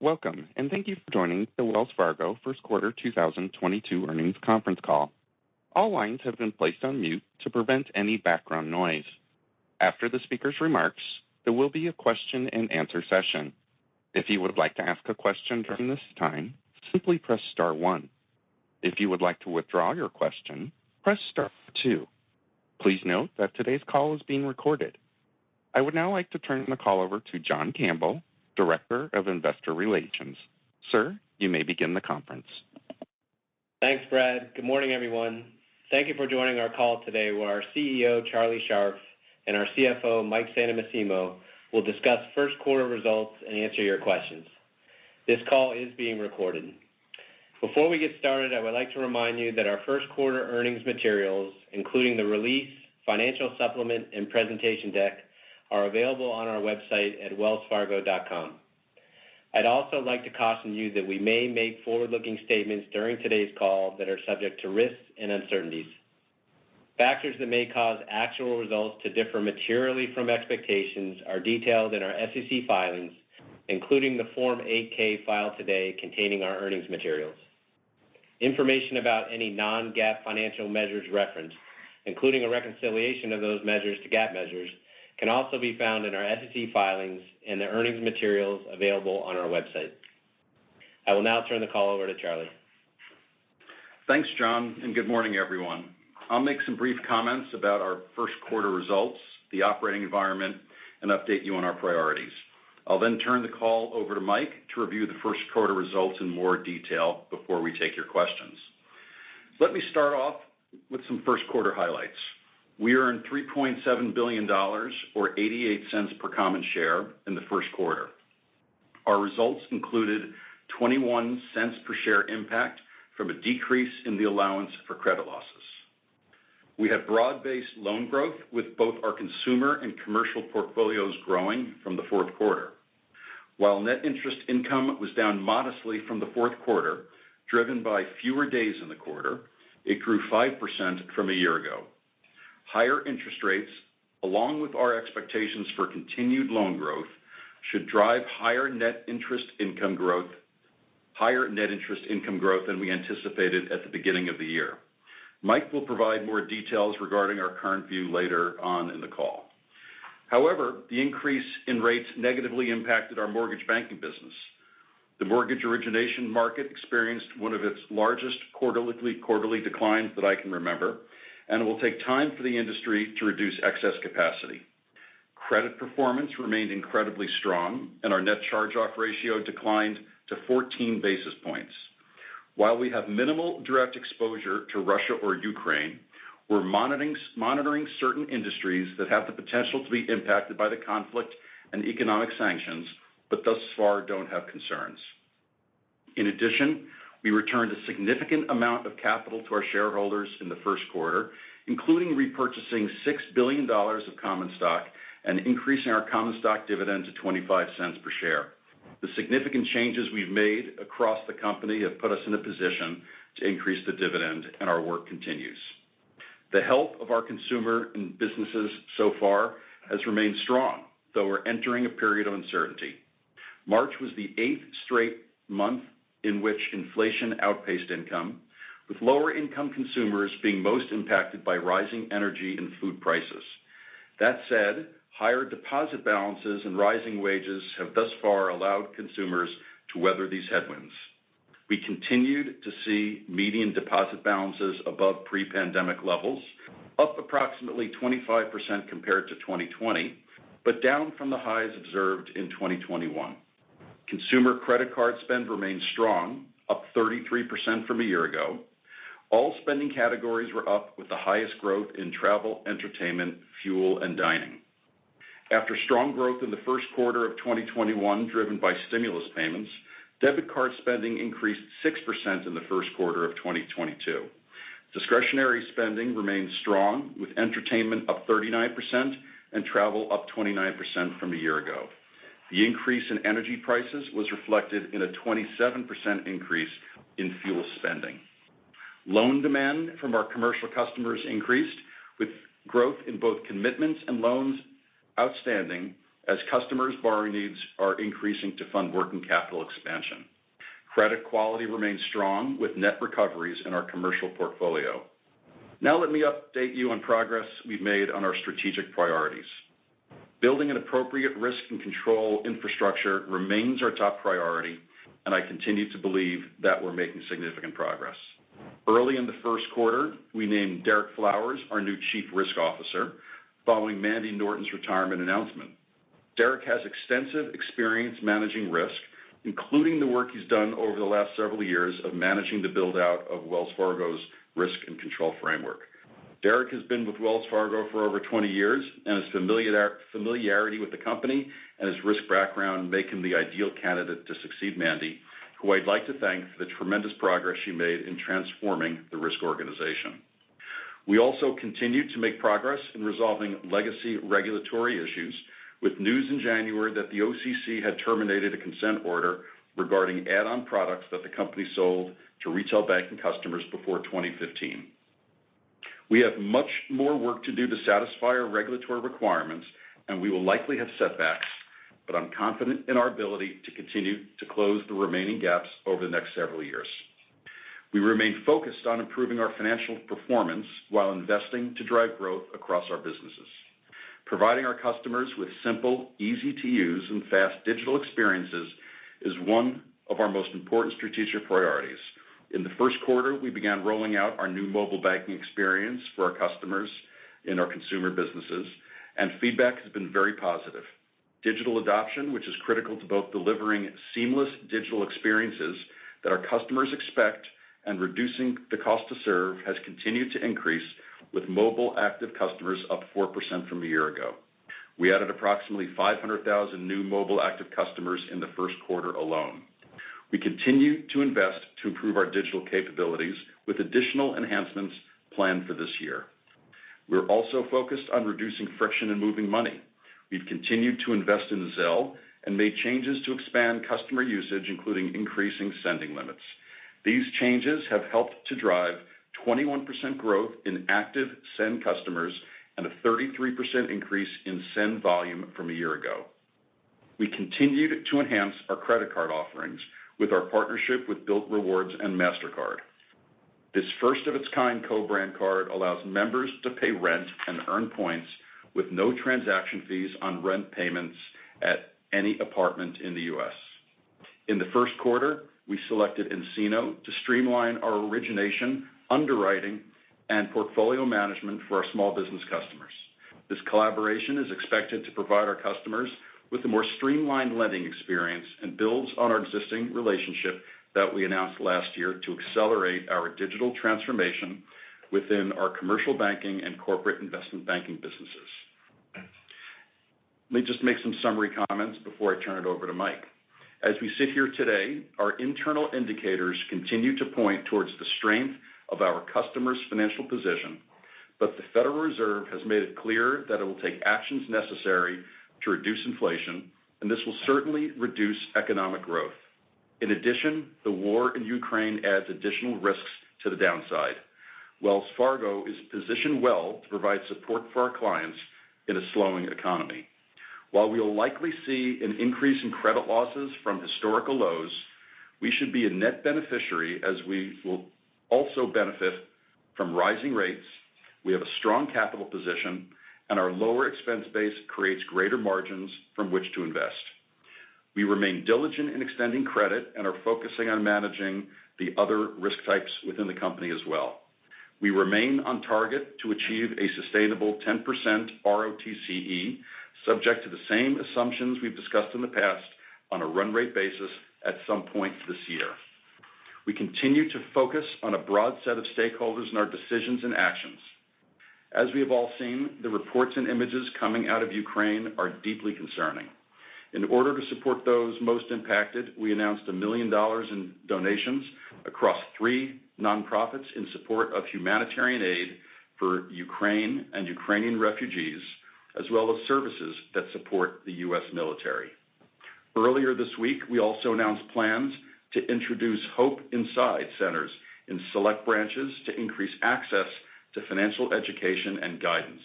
Welcome, and thank you for joining the Wells Fargo First Quarter 2022 earnings conference call. All lines have been placed on mute to prevent any background noise. After the speaker's remarks, there will be a question-and-answer session. If you would like to ask a question during this time, simply press star one. If you would like to withdraw your question, press star two. Please note that today's call is being recorded. I would now like to turn the call over to John Campbell, Director of Investor Relations. Sir, you may begin the conference. Thanks, Brad. Good morning, everyone. Thank you for joining our call today where our CEO, Charlie Scharf, and our CFO, Mike Santomassimo, will discuss first quarter results and answer your questions. This call is being recorded. Before we get started, I would like to remind you that our first quarter earnings materials, including the release, financial supplement, and presentation deck, are available on our website at wellsfargo.com. I'd also like to caution you that we may make forward-looking statements during today's call that are subject to risks and uncertainties. Factors that may cause actual results to differ materially from expectations are detailed in our SEC filings, including the Form 8-K filed today containing our earnings materials. Information about any non-GAAP financial measures referenced, including a reconciliation of those measures to GAAP measures, can also be found in our SEC filings and the earnings materials available on our website. I will now turn the call over to Charlie. Thanks, John, and good morning, everyone. I'll make some brief comments about our first quarter results, the operating environment, and update you on our priorities. I'll then turn the call over to Mike to review the first quarter results in more detail before we take your questions. Let me start off with some first quarter highlights. We earned $3.7 billion or $0.88 per common share in the first quarter. Our results included $0.21 per share impact from a decrease in the allowance for credit losses. We had broad-based loan growth with both our consumer and commercial portfolios growing from the fourth quarter. While net interest income was down modestly from the fourth quarter, driven by fewer days in the quarter, it grew 5% from a year ago. Higher interest rates, along with our expectations for continued loan growth, should drive higher net interest income growth than we anticipated at the beginning of the year. Mike will provide more details regarding our current view later on in the call. However, the increase in rates negatively impacted our mortgage banking business. The mortgage origination market experienced one of its largest quarterly declines that I can remember, and it will take time for the industry to reduce excess capacity. Credit performance remained incredibly strong, and our net charge-off ratio declined to 14 basis points. While we have minimal direct exposure to Russia or Ukraine, we're monitoring certain industries that have the potential to be impacted by the conflict and economic sanctions, but thus far don't have concerns. In addition, we returned a significant amount of capital to our shareholders in the first quarter, including repurchasing $6 billion of common stock and increasing our common stock dividend to $0.25 per share. The significant changes we've made across the company have put us in a position to increase the dividend, and our work continues. The health of our consumer and businesses so far has remained strong, though we're entering a period of uncertainty. March was the 8th straight month in which inflation outpaced income, with lower-income consumers being most impacted by rising energy and food prices. That said, higher deposit balances and rising wages have thus far allowed consumers to weather these headwinds. We continued to see median deposit balances above pre-pandemic levels, up approximately 25% compared to 2020, but down from the highs observed in 2021. Consumer credit card spend remained strong, up 33% from a year ago. All spending categories were up with the highest growth in travel, entertainment, fuel, and dining. After strong growth in the first quarter of 2021 driven by stimulus payments, debit card spending increased 6% in the first quarter of 2022. Discretionary spending remained strong with entertainment up 39% and travel up 29% from a year ago. The increase in energy prices was reflected in a 27% increase in fuel spending. Loan demand from our commercial customers increased with growth in both commitments and loans outstanding as customers' borrowing needs are increasing to fund working capital expansion. Credit quality remains strong with net recoveries in our commercial portfolio. Now let me update you on progress we've made on our strategic priorities. Building an appropriate risk and control infrastructure remains our top priority, and I continue to believe that we're making significant progress. Early in the first quarter, we named Derek Flowers our new Chief Risk Officer following Mandy Norton's retirement announcement. Derek has extensive experience managing risk, including the work he's done over the last several years of managing the build-out of Wells Fargo's risk and control framework. Derek has been with Wells Fargo for over 20 years and his familiarity with the company and his risk background make him the ideal candidate to succeed Mandy, who I'd like to thank for the tremendous progress she made in transforming the risk organization. We also continue to make progress in resolving legacy regulatory issues with news in January that the OCC had terminated a consent order regarding add-on products that the company sold to retail banking customers before 2015. We have much more work to do to satisfy our regulatory requirements, and we will likely have setbacks, but I'm confident in our ability to continue to close the remaining gaps over the next several years. We remain focused on improving our financial performance while investing to drive growth across our businesses. Providing our customers with simple, easy-to-use, and fast digital experiences is one of our most important strategic priorities. In the first quarter, we began rolling out our new mobile banking experience for our customers in our consumer businesses, and feedback has been very positive. Digital adoption, which is critical to both delivering seamless digital experiences that our customers expect and reducing the cost to serve, has continued to increase, with mobile active customers up 4% from a year ago. We added approximately 500,000 new mobile active customers in the first quarter alone. We continue to invest to improve our digital capabilities with additional enhancements planned for this year. We're also focused on reducing friction in moving money. We've continued to invest in Zelle and made changes to expand customer usage, including increasing sending limits. These changes have helped to drive 21% growth in active send customers and a 33% increase in send volume from a year ago. We continued to enhance our credit card offerings with our partnership with Bilt Rewards and Mastercard. This first-of-its-kind co-brand card allows members to pay rent and earn points with no transaction fees on rent payments at any apartment in the U.S. In the first quarter, we selected nCino to streamline our origination, underwriting, and portfolio management for our small business customers. This collaboration is expected to provide our customers with a more streamlined lending experience and builds on our existing relationship that we announced last year to accelerate our digital transformation within our commercial banking and corporate investment banking businesses. Let me just make some summary comments before I turn it over to Mike. As we sit here today, our internal indicators continue to point towards the strength of our customers' financial position, but the Federal Reserve has made it clear that it will take actions necessary to reduce inflation, and this will certainly reduce economic growth. In addition, the war in Ukraine adds additional risks to the downside. Wells Fargo is positioned well to provide support for our clients in a slowing economy. While we will likely see an increase in credit losses from historical lows, we should be a net beneficiary as we will also benefit from rising rates. We have a strong capital position, and our lower expense base creates greater margins from which to invest. We remain diligent in extending credit and are focusing on managing the other risk types within the company as well. We remain on target to achieve a sustainable 10% ROTCE, subject to the same assumptions we've discussed in the past on a run rate basis at some point this year. We continue to focus on a broad set of stakeholders in our decisions and actions. As we have all seen, the reports and images coming out of Ukraine are deeply concerning. In order to support those most impacted, we announced $1 million in donations across three nonprofits in support of humanitarian aid for Ukraine and Ukrainian refugees, as well as services that support the U.S. military. Earlier this week, we also announced plans to introduce HOPE Inside centers in select branches to increase access to financial education and guidance.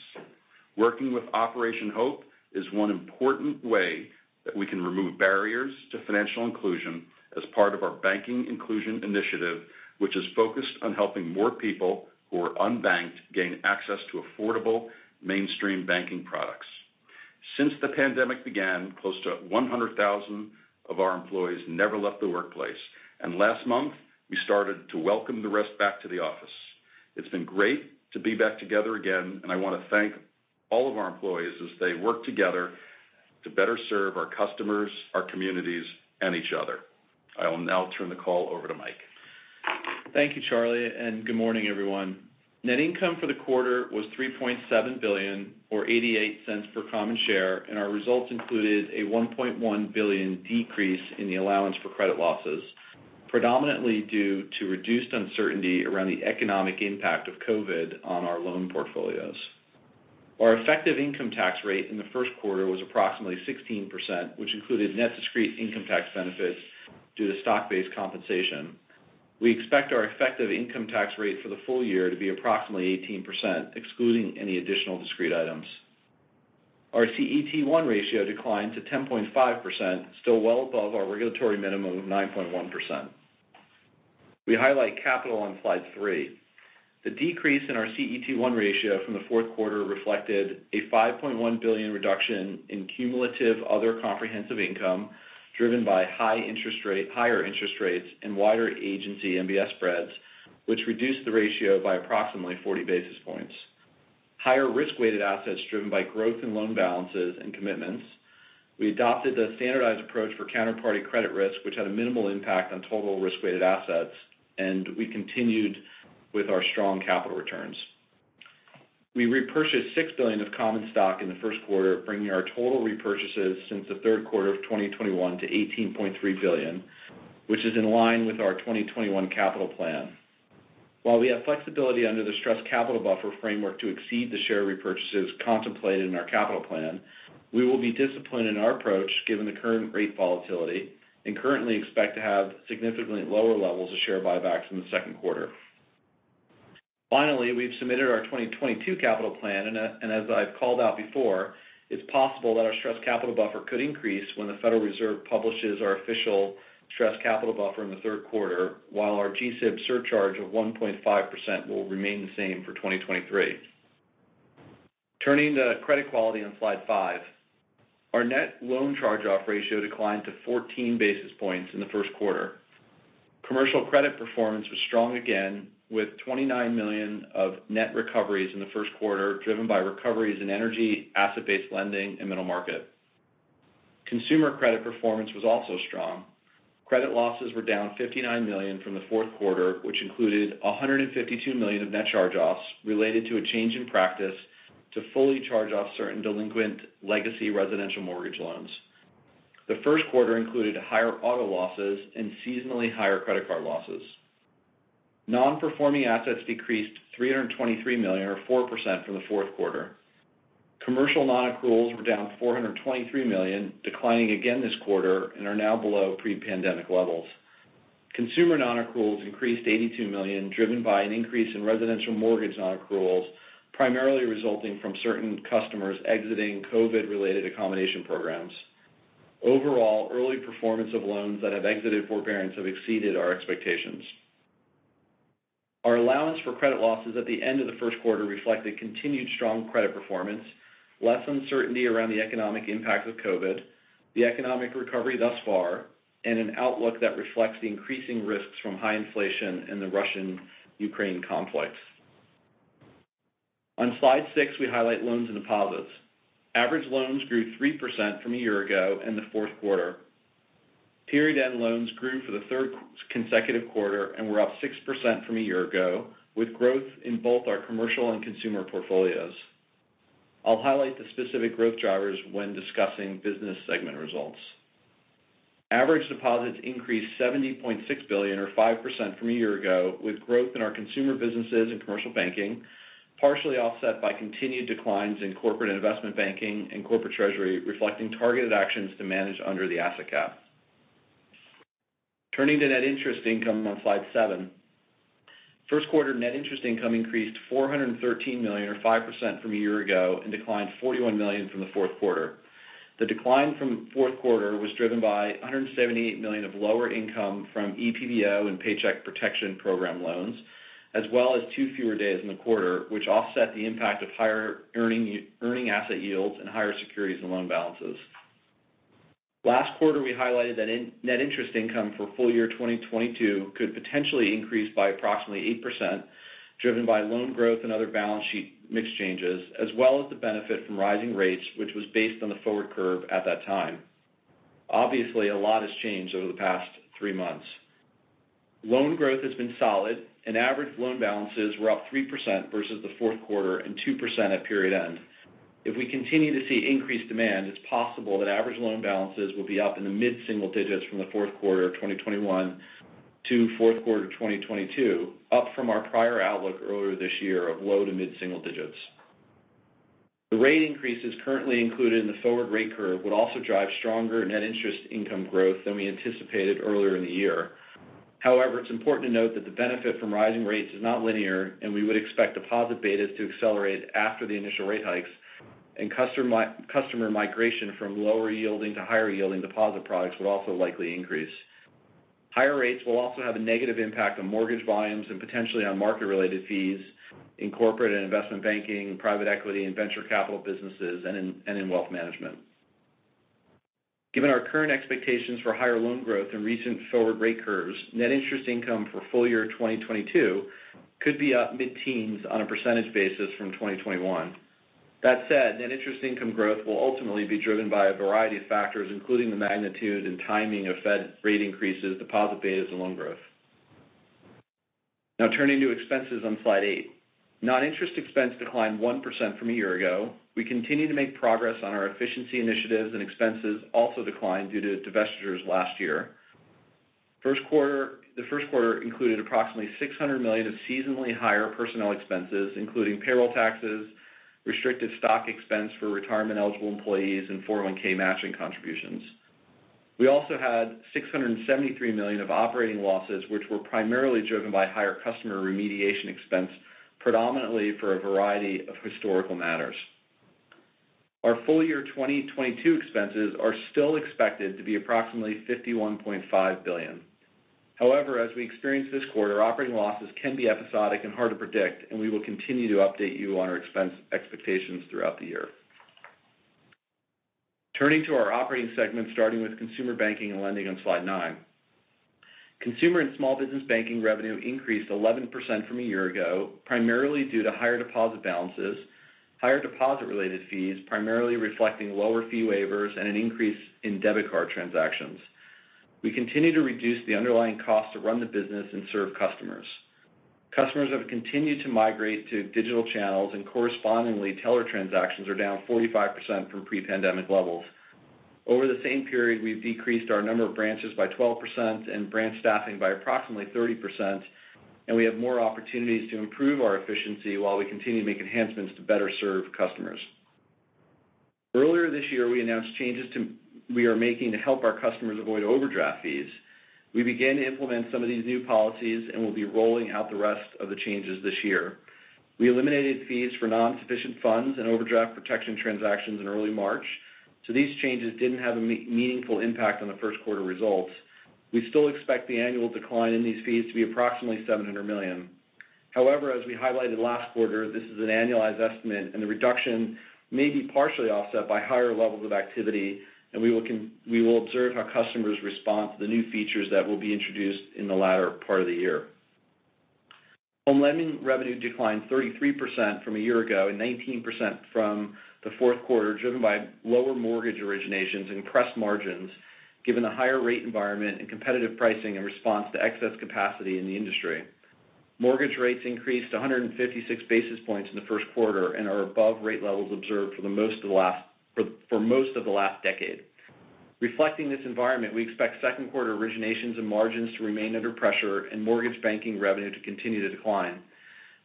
Working with Operation HOPE is one important way that we can remove barriers to financial inclusion as part of our Banking Inclusion Initiative, which is focused on helping more people who are unbanked gain access to affordable mainstream banking products. Since the pandemic began, close to 100,000 of our employees never left the workplace, and last month, we started to welcome the rest back to the office. It's been great to be back together again, and I want to thank all of our employees as they work together to better serve our customers, our communities, and each other. I will now turn the call over to Mike. Thank you, Charlie, and good morning, everyone. Net income for the quarter was $3.7 billion or $0.88 per common share, and our results included a $1.1 billion decrease in the allowance for credit losses, predominantly due to reduced uncertainty around the economic impact of COVID on our loan portfolios. Our effective income tax rate in the first quarter was approximately 16%, which included net discrete income tax benefits due to stock-based compensation. We expect our effective income tax rate for the full year to be approximately 18%, excluding any additional discrete items. Our CET1 ratio declined to 10.5%, still well above our regulatory minimum of 9.1%. We highlight capital on Slide 3. The decrease in our CET1 ratio from the fourth quarter reflected a $5.1 billion reduction in cumulative other comprehensive income, driven by higher interest rates and wider agency MBS spreads, which reduced the ratio by approximately 40 basis points, higher risk-weighted assets driven by growth in loan balances and commitments. We adopted the standardized approach for counterparty credit risk, which had a minimal impact on total risk-weighted assets, and we continued with our strong capital returns. We repurchased $6 billion of common stock in the first quarter, bringing our total repurchases since the third quarter of 2021 to $18.3 billion, which is in line with our 2021 capital plan. While we have flexibility under the stress capital buffer framework to exceed the share repurchases contemplated in our capital plan, we will be disciplined in our approach given the current rate volatility and currently expect to have significantly lower levels of share buybacks in the second quarter. Finally, we've submitted our 2022 capital plan, and as I've called out before, it's possible that our stress capital buffer could increase when the Federal Reserve publishes our official stress capital buffer in the third quarter, while our GSIB surcharge of 1.5% will remain the same for 2023. Turning to credit quality on Slide 5. Our net loan charge-off ratio declined to 14 basis points in the first quarter. Commercial credit performance was strong again with $29 million of net recoveries in the first quarter, driven by recoveries in energy, asset-based lending, and middle market. Consumer credit performance was also strong. Credit losses were down $59 million from the fourth quarter, which included $152 million of net charge-offs related to a change in practice to fully charge off certain delinquent legacy residential mortgage loans. The first quarter included higher auto losses and seasonally higher credit card losses. Non-performing assets decreased $323 million, or 4% from the fourth quarter. Commercial non-accruals were down $423 million, declining again this quarter and are now below pre-pandemic levels. Consumer non-accruals increased $82 million, driven by an increase in residential mortgage non-accruals, primarily resulting from certain customers exiting COVID related accommodation programs. Overall, early performance of loans that have exited forbearance have exceeded our expectations. Our allowance for credit losses at the end of the first quarter reflect a continued strong credit performance, less uncertainty around the economic impact of COVID, the economic recovery thus far, and an outlook that reflects the increasing risks from high inflation and the Russia-Ukraine conflict. On Slide 6, we highlight loans and deposits. Average loans grew 3% from a year ago in the fourth quarter. Period end loans grew for the third consecutive quarter and were up 6% from a year ago with growth in both our commercial and consumer portfolios. I'll highlight the specific growth drivers when discussing business segment results. Average deposits increased $70.6 billion or 5% from a year ago with growth in our consumer businesses and commercial banking, partially offset by continued declines in corporate and investment banking and corporate treasury, reflecting targeted actions to manage under the asset cap. Turning to net interest income on Slide 7. First quarter net interest income increased $413 million or 5% from a year ago and declined $41 million from the fourth quarter. The decline from fourth quarter was driven by $178 million of lower income from EPBO and Paycheck Protection Program loans, as well as two fewer days in the quarter, which offset the impact of higher earning asset yields and higher securities and loan balances. Last quarter, we highlighted that net interest income for full year 2022 could potentially increase by approximately 8%, driven by loan growth and other balance sheet mix changes, as well as the benefit from rising rates, which was based on the forward curve at that time. Obviously, a lot has changed over the past three months. Loan growth has been solid and average loan balances were up 3% versus the fourth quarter and 2% at period end. If we continue to see increased demand, it's possible that average loan balances will be up in the mid single digits from the fourth quarter of 2021 to fourth quarter of 2022, up from our prior outlook earlier this year of low to mid single digits. The rate increases currently included in the forward rate curve would also drive stronger net interest income growth than we anticipated earlier in the year. However, it's important to note that the benefit from rising rates is not linear, and we would expect deposit betas to accelerate after the initial rate hikes. Customer migration from lower yielding to higher yielding deposit products would also likely increase. Higher rates will also have a negative impact on mortgage volumes and potentially on market related fees in corporate and investment banking, private equity and venture capital businesses, and in wealth management. Given our current expectations for higher loan growth and recent forward rate curves, net interest income for full year 2022 could be up mid-teens on a percentage basis from 2021. That said, net interest income growth will ultimately be driven by a variety of factors, including the magnitude and timing of Fed rate increases, deposit betas and loan growth. Now turning to expenses on Slide 8. Non-interest expense declined 1% from a year ago. We continue to make progress on our efficiency initiatives, and expenses also declined due to divestitures last year. The first quarter included approximately $600 million of seasonally higher personnel expenses, including payroll taxes, restricted stock expense for retirement eligible employees, and 401(k) matching contributions. We also had $673 million of operating losses, which were primarily driven by higher customer remediation expense, predominantly for a variety of historical matters. Our full year 2022 expenses are still expected to be approximately $51.5 billion. However, as we experienced this quarter, operating losses can be episodic and hard to predict, and we will continue to update you on our expense expectations throughout the year. Turning to our operating segment, starting with Consumer Banking and Lending on slide 9. Consumer and small business banking revenue increased 11% from a year ago, primarily due to higher deposit balances, higher deposit related fees, primarily reflecting lower fee waivers and an increase in debit card transactions. We continue to reduce the underlying cost to run the business and serve customers. Customers have continued to migrate to digital channels, and correspondingly, teller transactions are down 45% from pre-pandemic levels. Over the same period, we've decreased our number of branches by 12% and branch staffing by approximately 30%, and we have more opportunities to improve our efficiency while we continue to make enhancements to better serve customers. Earlier this year, we announced changes we are making to help our customers avoid overdraft fees. We began to implement some of these new policies and will be rolling out the rest of the changes this year. We eliminated fees for non-sufficient funds and overdraft protection transactions in early March, so these changes didn't have a meaningful impact on the first quarter results. We still expect the annual decline in these fees to be approximately $700 million. However, as we highlighted last quarter, this is an annualized estimate and the reduction may be partially offset by higher levels of activity, and we will observe how customers respond to the new features that will be introduced in the latter part of the year. Home lending revenue declined 33% from a year ago and 19% from the fourth quarter, driven by lower mortgage originations and compressed margins, given the higher rate environment and competitive pricing in response to excess capacity in the industry. Mortgage rates increased 156 basis points in the first quarter and are above rate levels observed for most of the last decade. Reflecting this environment, we expect second quarter originations and margins to remain under pressure and mortgage banking revenue to continue to decline.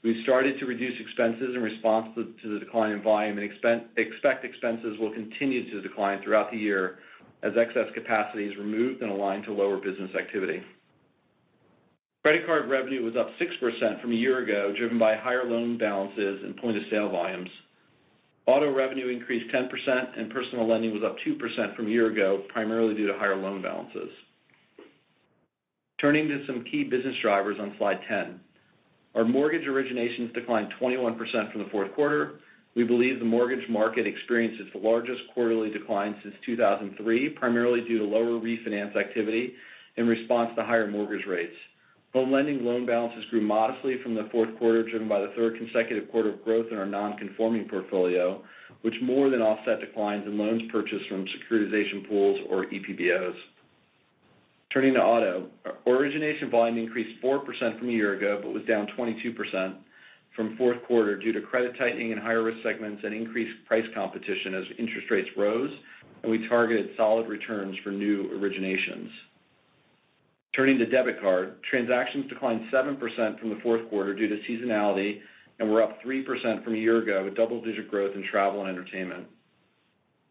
We've started to reduce expenses in response to the decline in volume and expect expenses will continue to decline throughout the year as excess capacity is removed and aligned to lower business activity. Credit card revenue was up 6% from a year ago, driven by higher loan balances and point of sale volumes. Auto revenue increased 10%, and personal lending was up 2% from a year ago, primarily due to higher loan balances. Turning to some key business drivers on Slide 10. Our mortgage originations declined 21% from the fourth quarter. We believe the mortgage market experienced its largest quarterly decline since 2003, primarily due to lower refinance activity in response to higher mortgage rates. Home lending loan balances grew modestly from the fourth quarter, driven by the third consecutive quarter of growth in our non-conforming portfolio, which more than offset declines in loans purchased from securitization pools or EPBOs. Turning to auto. Origination volume increased 4% from a year ago, but was down 22% from fourth quarter due to credit tightening in higher risk segments and increased price competition as interest rates rose, and we targeted solid returns for new originations. Turning to debit card. Transactions declined 7% from the fourth quarter due to seasonality and were up 3% from a year ago, with double-digit growth in travel and entertainment.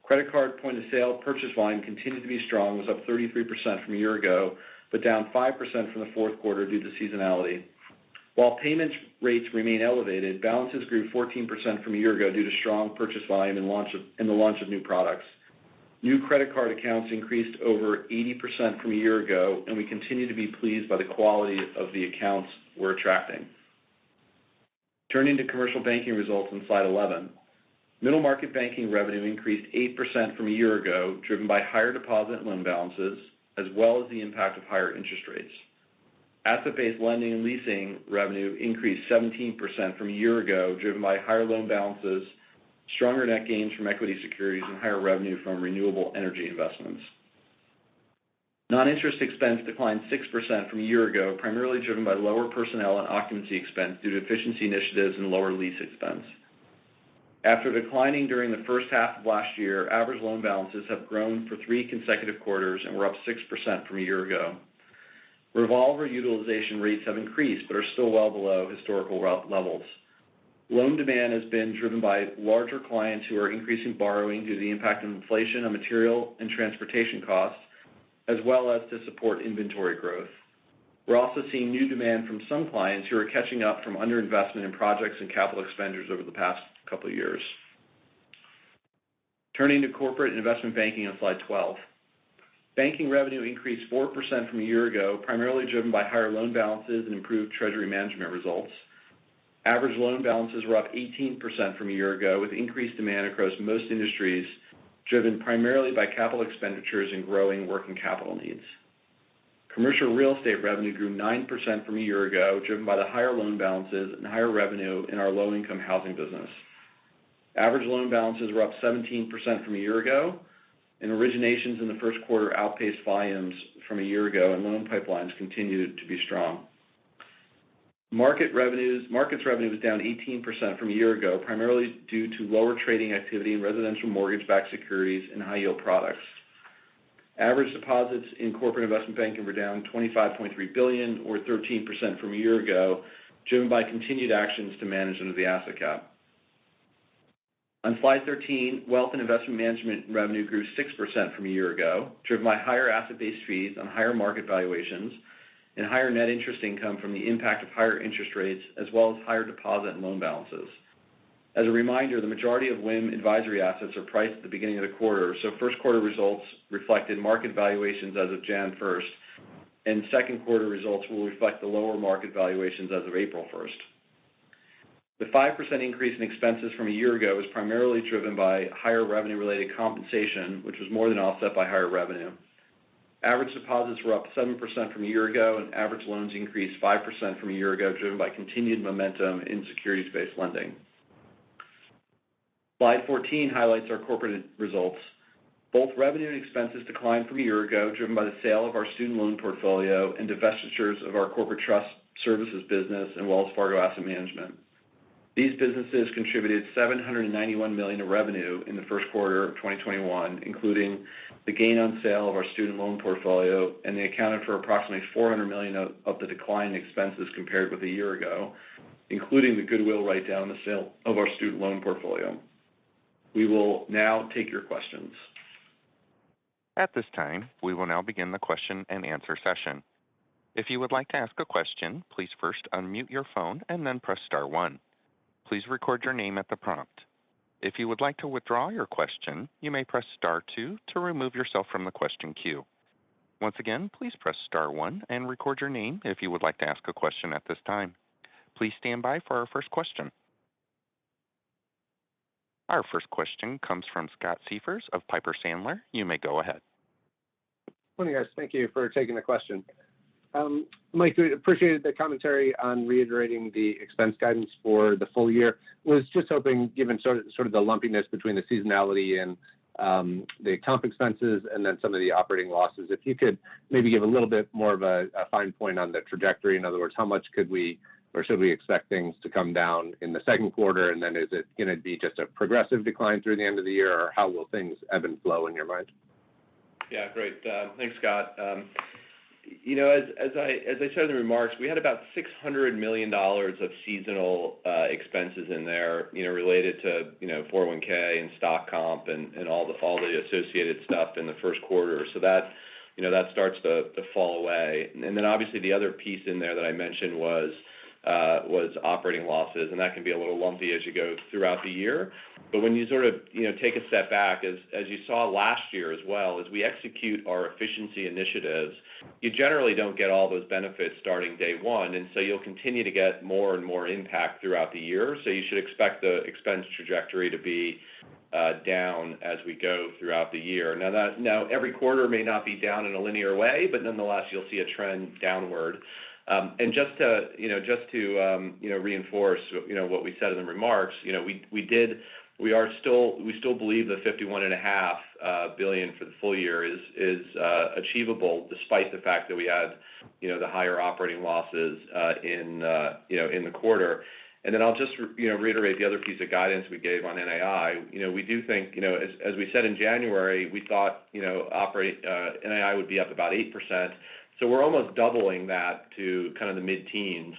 Credit card point of sale purchase volume continued to be strong, was up 33% from a year ago, but down 5% from the fourth quarter due to seasonality. While payments rates remain elevated, balances grew 14% from a year ago due to strong purchase volume and launch of new products. New credit card accounts increased over 80% from a year ago, and we continue to be pleased by the quality of the accounts we're attracting. Turning to commercial banking results on Slide 11. Middle market banking revenue increased 8% from a year ago, driven by higher deposit and loan balances, as well as the impact of higher interest rates. Asset-based lending and leasing revenue increased 17% from a year ago, driven by higher loan balances, stronger net gains from equity securities, and higher revenue from renewable energy investments. Non-interest expense declined 6% from a year ago, primarily driven by lower personnel and occupancy expense due to efficiency initiatives and lower lease expense. After declining during the first half of last year, average loan balances have grown for three consecutive quarters and were up 6% from a year ago. Revolver utilization rates have increased, but are still well below historical levels. Loan demand has been driven by larger clients who are increasing borrowing due to the impact of inflation on material and transportation costs, as well as to support inventory growth. We're also seeing new demand from some clients who are catching up from underinvestment in projects and capital expenditures over the past couple years. Turning to corporate investment banking on Slide 12. Banking revenue increased 4% from a year ago, primarily driven by higher loan balances and improved treasury management results. Average loan balances were up 18% from a year ago, with increased demand across most industries, driven primarily by capital expenditures and growing working capital needs. Commercial real estate revenue grew 9% from a year ago, driven by the higher loan balances and higher revenue in our low-income housing business. Average loan balances were up 17% from a year ago, and originations in the first quarter outpaced volumes from a year ago, and loan pipelines continued to be strong. Markets revenue was down 18% from a year ago, primarily due to lower trading activity in residential mortgage-backed securities and high-yield products. Average deposits in corporate investment banking were down $25.3 billion or 13% from a year ago, driven by continued actions to manage under the asset cap. On Slide 13, Wealth and Investment Management revenue grew 6% from a year ago, driven by higher asset-based fees on higher market valuations and higher net interest income from the impact of higher interest rates, as well as higher deposit and loan balances. As a reminder, the majority of WIM advisory assets are priced at the beginning of the quarter, so first quarter results reflected market valuations as of January first, and second quarter results will reflect the lower market valuations as of April first. The 5% increase in expenses from a year ago was primarily driven by higher revenue-related compensation, which was more than offset by higher revenue. Average deposits were up 7% from a year ago, and average loans increased 5% from a year ago, driven by continued momentum in securities-based lending. Slide 14 highlights our corporate results. Both revenue and expenses declined from a year ago, driven by the sale of our student loan portfolio and divestitures of our Corporate Trust Services business and Wells Fargo Asset Management. These businesses contributed $791 million of revenue in the first quarter of 2021, including the gain on sale of our student loan portfolio, and they accounted for approximately $400 million of the decline in expenses compared with a year ago, including the goodwill write-down from the sale of our student loan portfolio. We will now take your questions. At this time, we will now begin the question and answer session. If you would like to ask a question, please first unmute your phone and then press star one. Please record your name at the prompt. If you would like to withdraw your question, you may press star two to remove yourself from the question queue. Once again, please press star one and record your name if you would like to ask a question at this time. Please stand by for our first question. Our first question comes from Scott Siefers of Piper Sandler. You may go ahead. Morning, guys. Thank you for taking the question. Mike, we appreciated the commentary on reiterating the expense guidance for the full year. Was just hoping, given sort of the lumpiness between the seasonality and the comp expenses and then some of the operating losses, if you could maybe give a little bit more of a fine point on the trajectory. In other words, how much could we or should we expect things to come down in the second quarter? Is it gonna be just a progressive decline through the end of the year, or how will things ebb and flow in your mind? Yeah. Great. Thanks, Scott. You know, as I said in the remarks, we had about $600 million of seasonal expenses in there, you know, related to 401(k) and stock comp and all the associated stuff in the first quarter. That starts to fall away. Then obviously the other piece in there that I mentioned was operating losses, and that can be a little lumpy as you go throughout the year. When you sort of take a step back, as you saw last year as well, as we execute our efficiency initiatives, you generally don't get all those benefits starting day one, and so you'll continue to get more and more impact throughout the year. You should expect the expense trajectory to be down as we go throughout the year. Now every quarter may not be down in a linear way, but nonetheless, you'll see a trend downward. Just to you know reinforce what you know what we said in the remarks, you know, we still believe the $51.5 billion for the full year is achievable despite the fact that we had you know the higher operating losses in the quarter. I'll just you know reiterate the other piece of guidance we gave on NII. You know, we do think you know as we said in January, we thought you know operating NII would be up about 8%. We're almost doubling that to kind of the mid-teens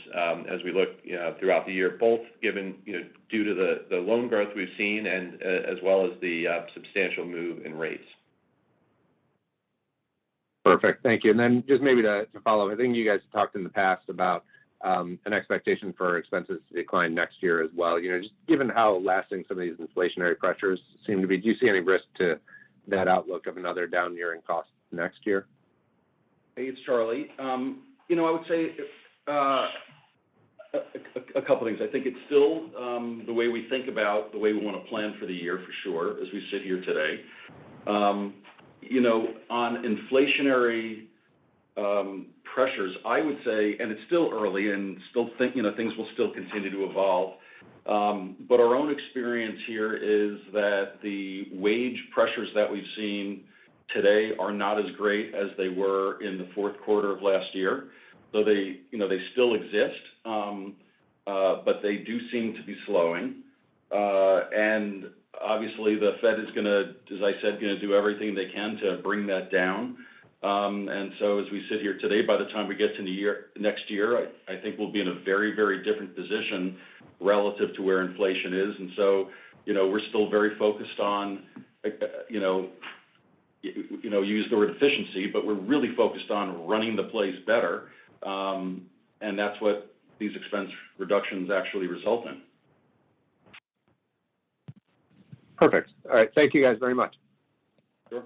as we look, you know, throughout the year, both given, you know, due to the loan growth we've seen and as well as the substantial move in rates. Perfect. Thank you. Just maybe to follow, I think you guys talked in the past about an expectation for expenses to decline next year as well. You know, just given how lasting some of these inflationary pressures seem to be, do you see any risk to that outlook of another down year in costs next year? Hey, it's Charlie. You know, I would say a couple things. I think it's still the way we think about the way we want to plan for the year for sure, as we sit here today. You know, on inflationary pressures, I would say, and it's still early and I still think you know, things will still continue to evolve. But our own experience here is that the wage pressures that we've seen today are not as great as they were in the fourth quarter of last year, though they you know, still exist. But they do seem to be slowing. And obviously, the Fed is gonna, as I said, do everything they can to bring that down. As we sit here today, by the time we get to next year, I think we'll be in a very, very different position relative to where inflation is. You know, we're still very focused on, you know, use the word efficiency, but we're really focused on running the place better. That's what these expense reductions actually result in. Perfect. All right. Thank you guys very much. Sure.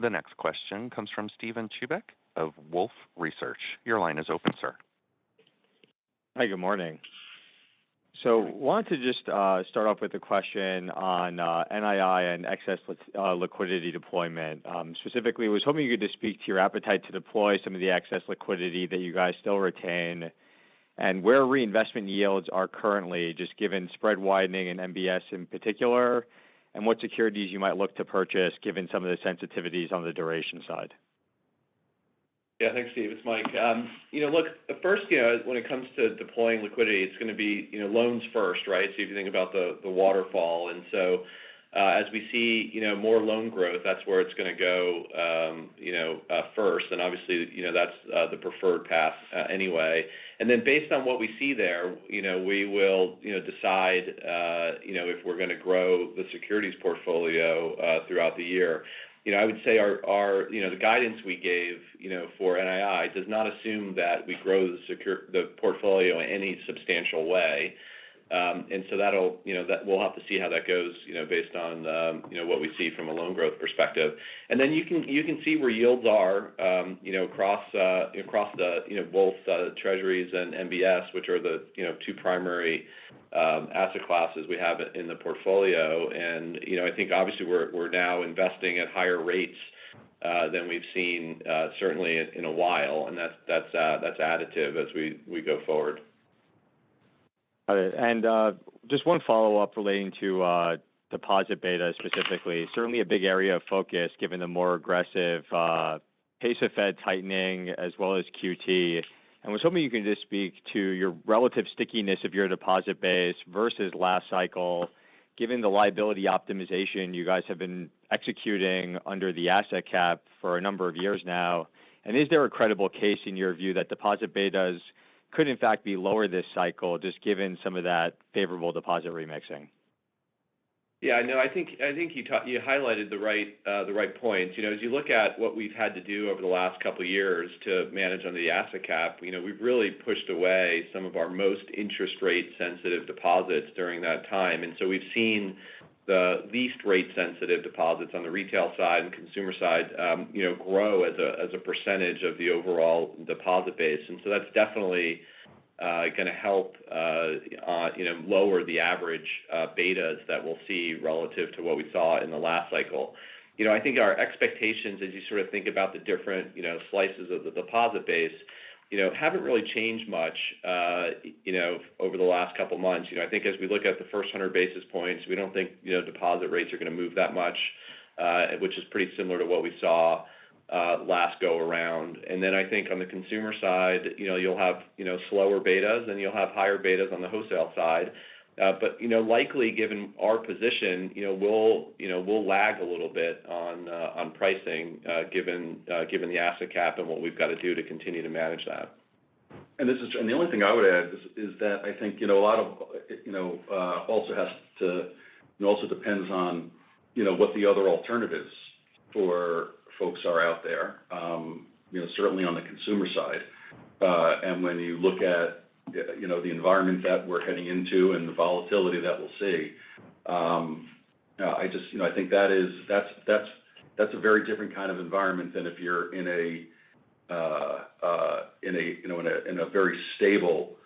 The next question comes from Steven Chubak of Wolfe Research. Your line is open, sir. Hi, good morning. Wanted to just start off with a question on NII and excess liquidity deployment. Specifically, I was hoping you could just speak to your appetite to deploy some of the excess liquidity that you guys still retain and where reinvestment yields are currently, just given spread widening in MBS in particular, and what securities you might look to purchase given some of the sensitivities on the duration side? Yeah. Thanks, Steve. It's Mike. You know, look, the first, you know, when it comes to deploying liquidity, it's gonna be, you know, loans first, right? If you think about the waterfall. As we see, you know, more loan growth, that's where it's gonna go, you know, first. Obviously, you know, that's the preferred path, anyway. Then based on what we see there, you know, we will, you know, decide, you know, if we're gonna grow the securities portfolio, throughout the year. You know, I would say our, you know, the guidance we gave, you know, for NII does not assume that we grow the portfolio in any substantial way. That'll, you know, we'll have to see how that goes, you know, based on, you know, what we see from a loan growth perspective. You can see where yields are, you know, across the, you know, both Treasuries and MBS, which are the two primary asset classes we have in the portfolio. You know, I think obviously we're now investing at higher rates than we've seen certainly in a while, and that's additive as we go forward. Got it. Just one follow-up relating to deposit beta specifically. Certainly a big area of focus given the more aggressive pace of Fed tightening as well as QT. I was hoping you could just speak to your relative stickiness of your deposit base versus last cycle, given the liability optimization you guys have been executing under the asset cap for a number of years now. Is there a credible case in your view that deposit betas could in fact be lower this cycle just given some of that favorable deposit remixing. Yeah, I know. I think you highlighted the right points. You know, as you look at what we've had to do over the last couple years to manage under the asset cap, you know, we've really pushed away some of our most interest rate sensitive deposits during that time. We've seen the least rate sensitive deposits on the retail side and consumer side, you know, grow as a percentage of the overall deposit base. That's definitely gonna help you know lower the average betas that we'll see relative to what we saw in the last cycle. You know, I think our expectations as you sort of think about the different you know slices of the deposit base, you know, haven't really changed much you know over the last couple months. You know, I think as we look at the first 100 basis points, we don't think, you know, deposit rates are gonna move that much, which is pretty similar to what we saw last go around. I think on the consumer side, you know, you'll have, you know, slower betas and you'll have higher betas on the wholesale side. You know, likely given our position, you know, we'll lag a little bit on pricing, given the asset cap and what we've got to do to continue to manage that. The only thing I would add is that I think it also depends on what the other alternatives for folks are out there, you know, certainly on the consumer side. When you look at the environment that we're heading into and the volatility that we'll see, I just, you know, I think that's a very different kind of environment than if you're in a very stable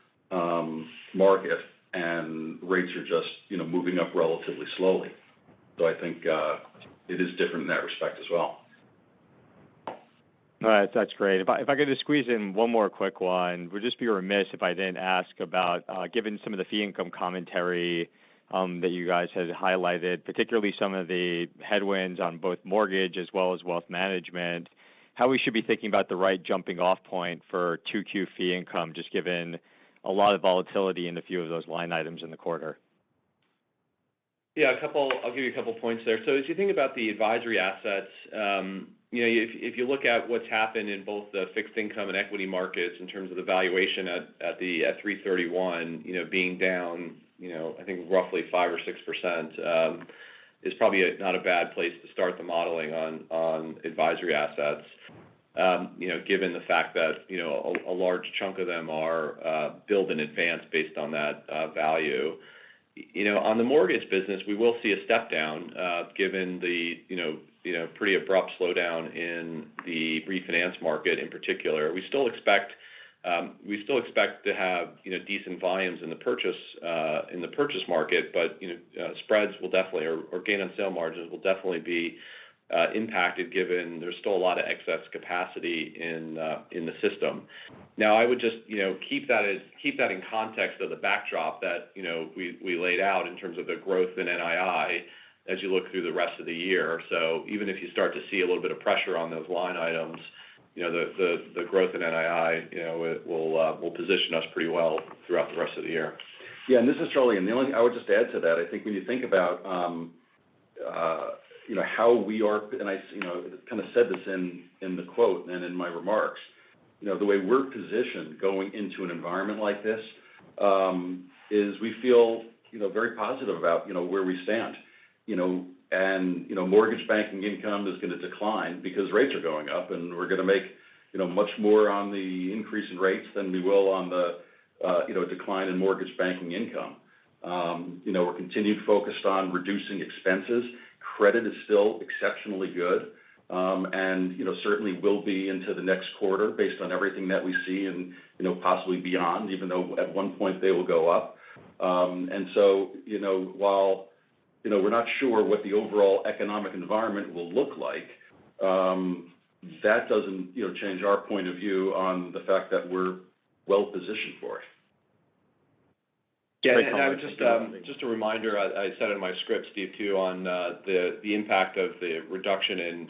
market and rates are just moving up relatively slowly. I think it is different in that respect as well. All right. That's great. If I could just squeeze in one more quick one. I would just be remiss if I didn't ask about, given some of the fee income commentary that you guys had highlighted, particularly some of the headwinds on both mortgage as well as wealth management, how we should be thinking about the right jumping off point for 2Q fee income, just given a lot of volatility in a few of those line items in the quarter. Yeah, a couple. I'll give you a couple points there. As you think about the advisory assets, you know, if you look at what's happened in both the fixed income and equity markets in terms of the valuation at 3/31, you know, being down, you know, I think roughly 5% or 6%, is probably not a bad place to start the modeling on advisory assets. You know, given the fact that, you know, a large chunk of them are billed in advance based on that value. You know, on the mortgage business, we will see a step down, given the pretty abrupt slowdown in the refinance market in particular. We still expect to have you know decent volumes in the purchase market, but you know gain-on-sale margins will definitely be impacted given there's still a lot of excess capacity in the system. Now, I would just you know keep that in context of the backdrop that you know we laid out in terms of the growth in NII as you look through the rest of the year. Even if you start to see a little bit of pressure on those line items, you know the growth in NII you know it will position us pretty well throughout the rest of the year. Yeah, this is Charlie. I would just add to that. I think when you think about how we are, you know, and I, you know, kind of said this in the quote and in my remarks. You know, the way we're positioned going into an environment like this is we feel, you know, very positive about, you know, where we stand. You know, mortgage banking income is going to decline because rates are going up, and we're going to make, you know, much more on the increase in rates than we will on the decline in mortgage banking income. You know, we're continuing to focus on reducing expenses. Credit is still exceptionally good, and you know, certainly will be into the next quarter based on everything that we see and, you know, possibly beyond, even though at one point they will go up. You know, while we're not sure what the overall economic environment will look like, that doesn't, you know, change our point of view on the fact that we're well positioned for it. Yeah. Just a reminder, I said in my script, Steven, too, on the impact of the reduction in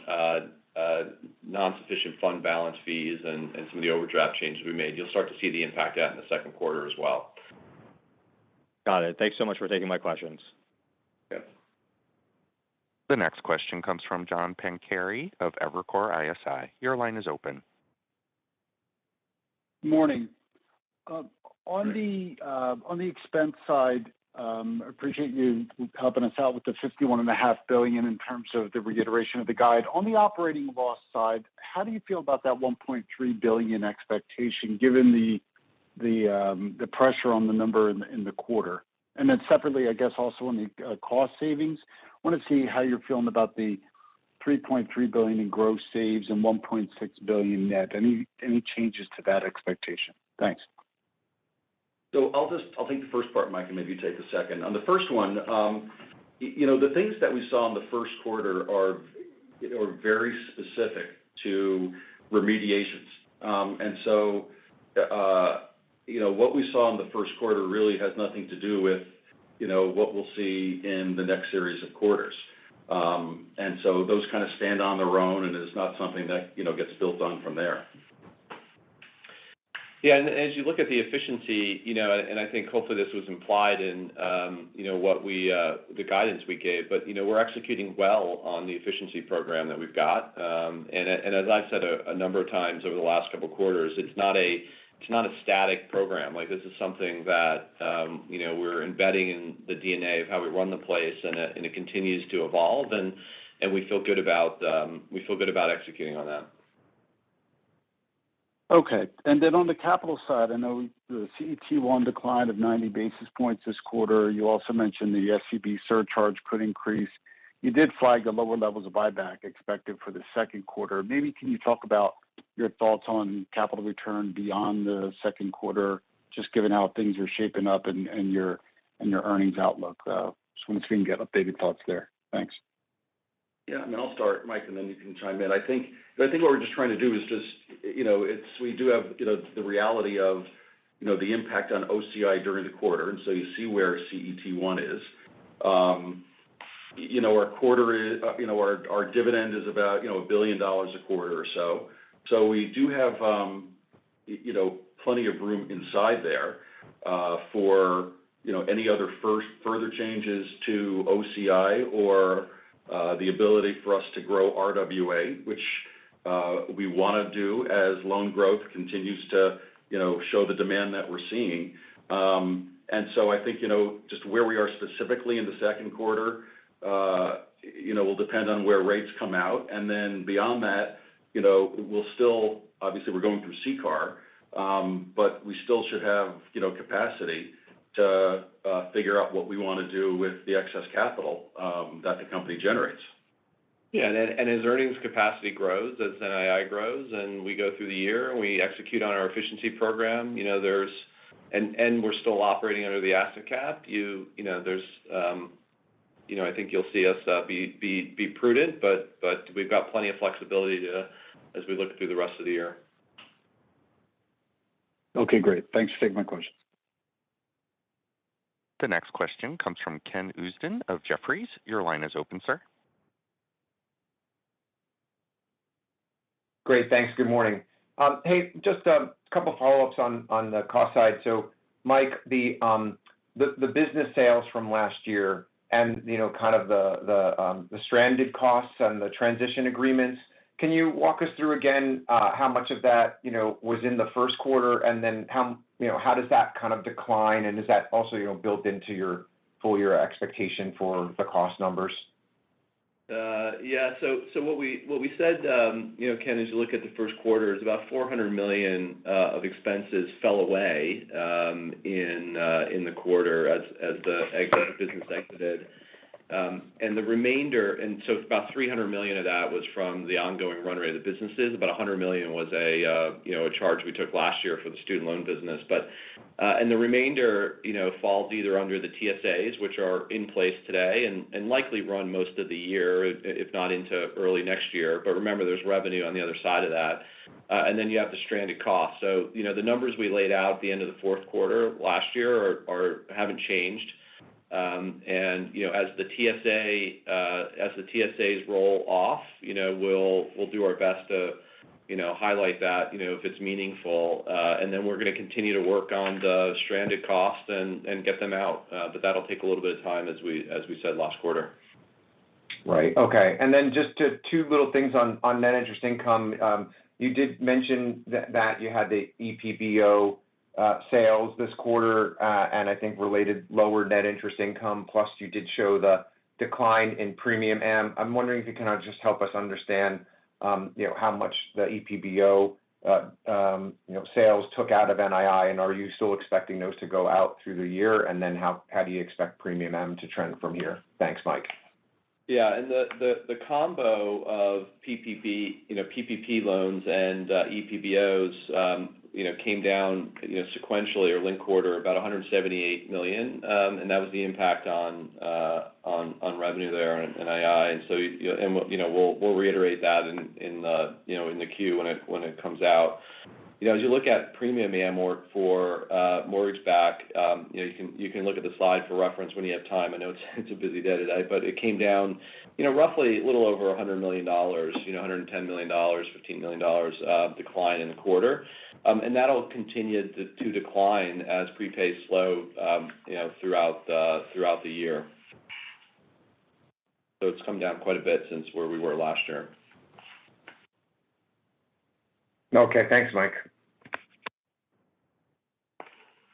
non-sufficient funds fees and some of the overdraft changes we made. You'll start to see the impact of that in the second quarter as well. Got it. Thanks so much for taking my questions. Yes. The next question comes from John Pancari of Evercore ISI. Your line is open. Morning. On the expense side, appreciate you helping us out with the $51.5 billion in terms of the reiteration of the guide. On the operating loss side, how do you feel about that $1.3 billion expectation, given the pressure on the number in the quarter? Then separately, I guess also on the cost savings, want to see how you're feeling about the $3.3 billion in gross saves and $1.6 billion net. Any changes to that expectation? Thanks. I'll take the first part, Mike, and maybe you take the second. On the first one, you know, the things that we saw in the first quarter are very specific to remediations. What we saw in the first quarter really has nothing to do with, you know, what we'll see in the next series of quarters. Those kind of stand on their own, and it's not something that, you know, gets built on from there. Yeah. As you look at the efficiency, you know, and I think hopefully this was implied in the guidance we gave. You know, we're executing well on the efficiency program that we've got. As I've said a number of times over the last couple of quarters, it's not a static program. Like, this is something that, you know, we're embedding in the DNA of how we run the place, and it continues to evolve. We feel good about executing on that. Okay. On the capital side, I know the CET1 decline of 90 basis points this quarter. You also mentioned the SCB surcharge could increase. You did flag the lower levels of buyback expected for the second quarter. Maybe can you talk about your thoughts on capital return beyond the second quarter, just given how things are shaping up and your earnings outlook, just want to get updated thoughts there. Thanks. Yeah. I mean, I'll start, Mike, and then you can chime in. I think what we're just trying to do is just, you know, we do have, you know, the reality of, you know, the impact on OCI during the quarter. So you see where CET1 is. You know, our dividend is about, you know, $1 billion a quarter or so. So we do have, you know, plenty of room inside there for, you know, any other further changes to OCI or the ability for us to grow RWA, which we want to do as loan growth continues to, you know, show the demand that we're seeing. So I think, you know, just where we are specifically in the second quarter, you know, will depend on where rates come out. Beyond that, you know, we'll still, obviously, we're going through CCAR, but we still should have, you know, capacity to figure out what we want to do with the excess capital that the company generates. Yeah. As earnings capacity grows, as NII grows, and we go through the year and we execute on our efficiency program, you know, there's. We're still operating under the asset cap. You know, there's, you know, I think you'll see us be prudent, but we've got plenty of flexibility to as we look through the rest of the year. Okay, great. Thanks. Take my questions. The next question comes from Ken Usdin of Jefferies. Your line is open, sir. Great. Thanks. Good morning. Hey, just a couple follow-ups on the cost side. Mike, the business sales from last year and you know kind of the stranded costs and the transition agreements, can you walk us through again how much of that you know was in the first quarter, and then how you know how does that kind of decline, and is that also you know built into your full year expectation for the cost numbers? Yeah. What we said, you know, Ken, as you look at the first quarter is about $400 million of expenses fell away in the quarter as the exit business exited. The remainder is about $300 million of that was from the ongoing run rate of the businesses. About $100 million was, you know, a charge we took last year for the student loan business. The remainder, you know, falls either under the TSAs, which are in place today and likely run most of the year, if not into early next year. Remember, there's revenue on the other side of that. Then you have the stranded cost. You know, the numbers we laid out at the end of the fourth quarter last year haven't changed. You know, as the TSAs roll off, you know, we'll do our best to, you know, highlight that, you know, if it's meaningful. Then we're going to continue to work on the stranded costs and get them out. That'll take a little bit of time as we said last quarter. Right. Okay. Just two little things on net interest income. You did mention that you had the EPBO sales this quarter, and I think related lower net interest income. Plus, you did show the decline in premium am. I'm wondering if you can just help us understand, you know, how much the EPBO sales took out of NII, and are you still expecting those to go out through the year? How do you expect premium amortization to trend from here? Thanks, Mike. Yeah. The combo of PPP, you know, PPP loans and EPBOs, you know, came down, you know, sequentially or linked quarter about $178 million. That was the impact on revenue there on NII. We'll reiterate that in the Q when it comes out. You know, as you look at premium amortization for mortgage-backed, you know, you can look at the slide for reference when you have time. I know it's a busy day today, but it came down, you know, roughly a little over $100 million, you know, $110 million, $15 million of decline in the quarter. That'll continue to decline as prepay slows, you know, throughout the year. It's come down quite a bit since where we were last year. Okay. Thanks, Mike.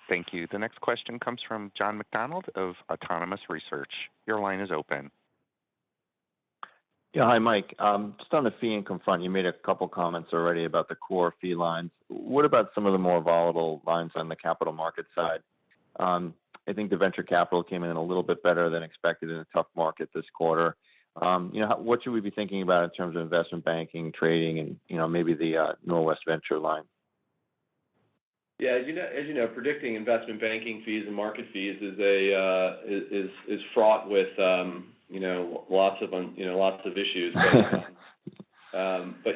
Thank you. The next question comes from John McDonald of Autonomous Research. Your line is open. Hi, Mike. Just on the fee income front, you made a couple of comments already about the core fee lines. What about some of the more volatile lines on the capital market side? I think the venture capital came in a little bit better than expected in a tough market this quarter. You know, what should we be thinking about in terms of investment banking, trading, and, you know, maybe the Norwest Venture line? Yeah. As you know, predicting investment banking fees and market fees is fraught with you know lots of issues.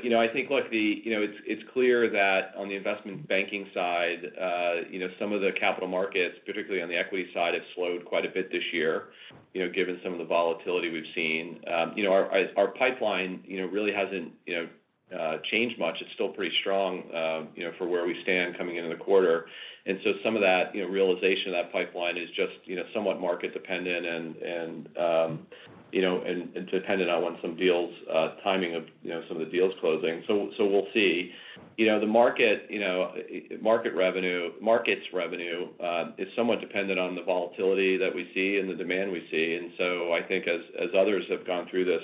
You know, I think, look, it's clear that on the investment banking side, you know, some of the capital markets, particularly on the equity side, have slowed quite a bit this year, you know, given some of the volatility we've seen. You know, our pipeline really hasn't changed much. It's still pretty strong, you know, for where we stand coming into the quarter. Some of that, you know, realization of that pipeline is just, you know, somewhat market dependent and dependent on the timing of you know some of the deals closing. We'll see. You know, the Markets revenue is somewhat dependent on the volatility that we see and the demand we see. I think as others have gone through this,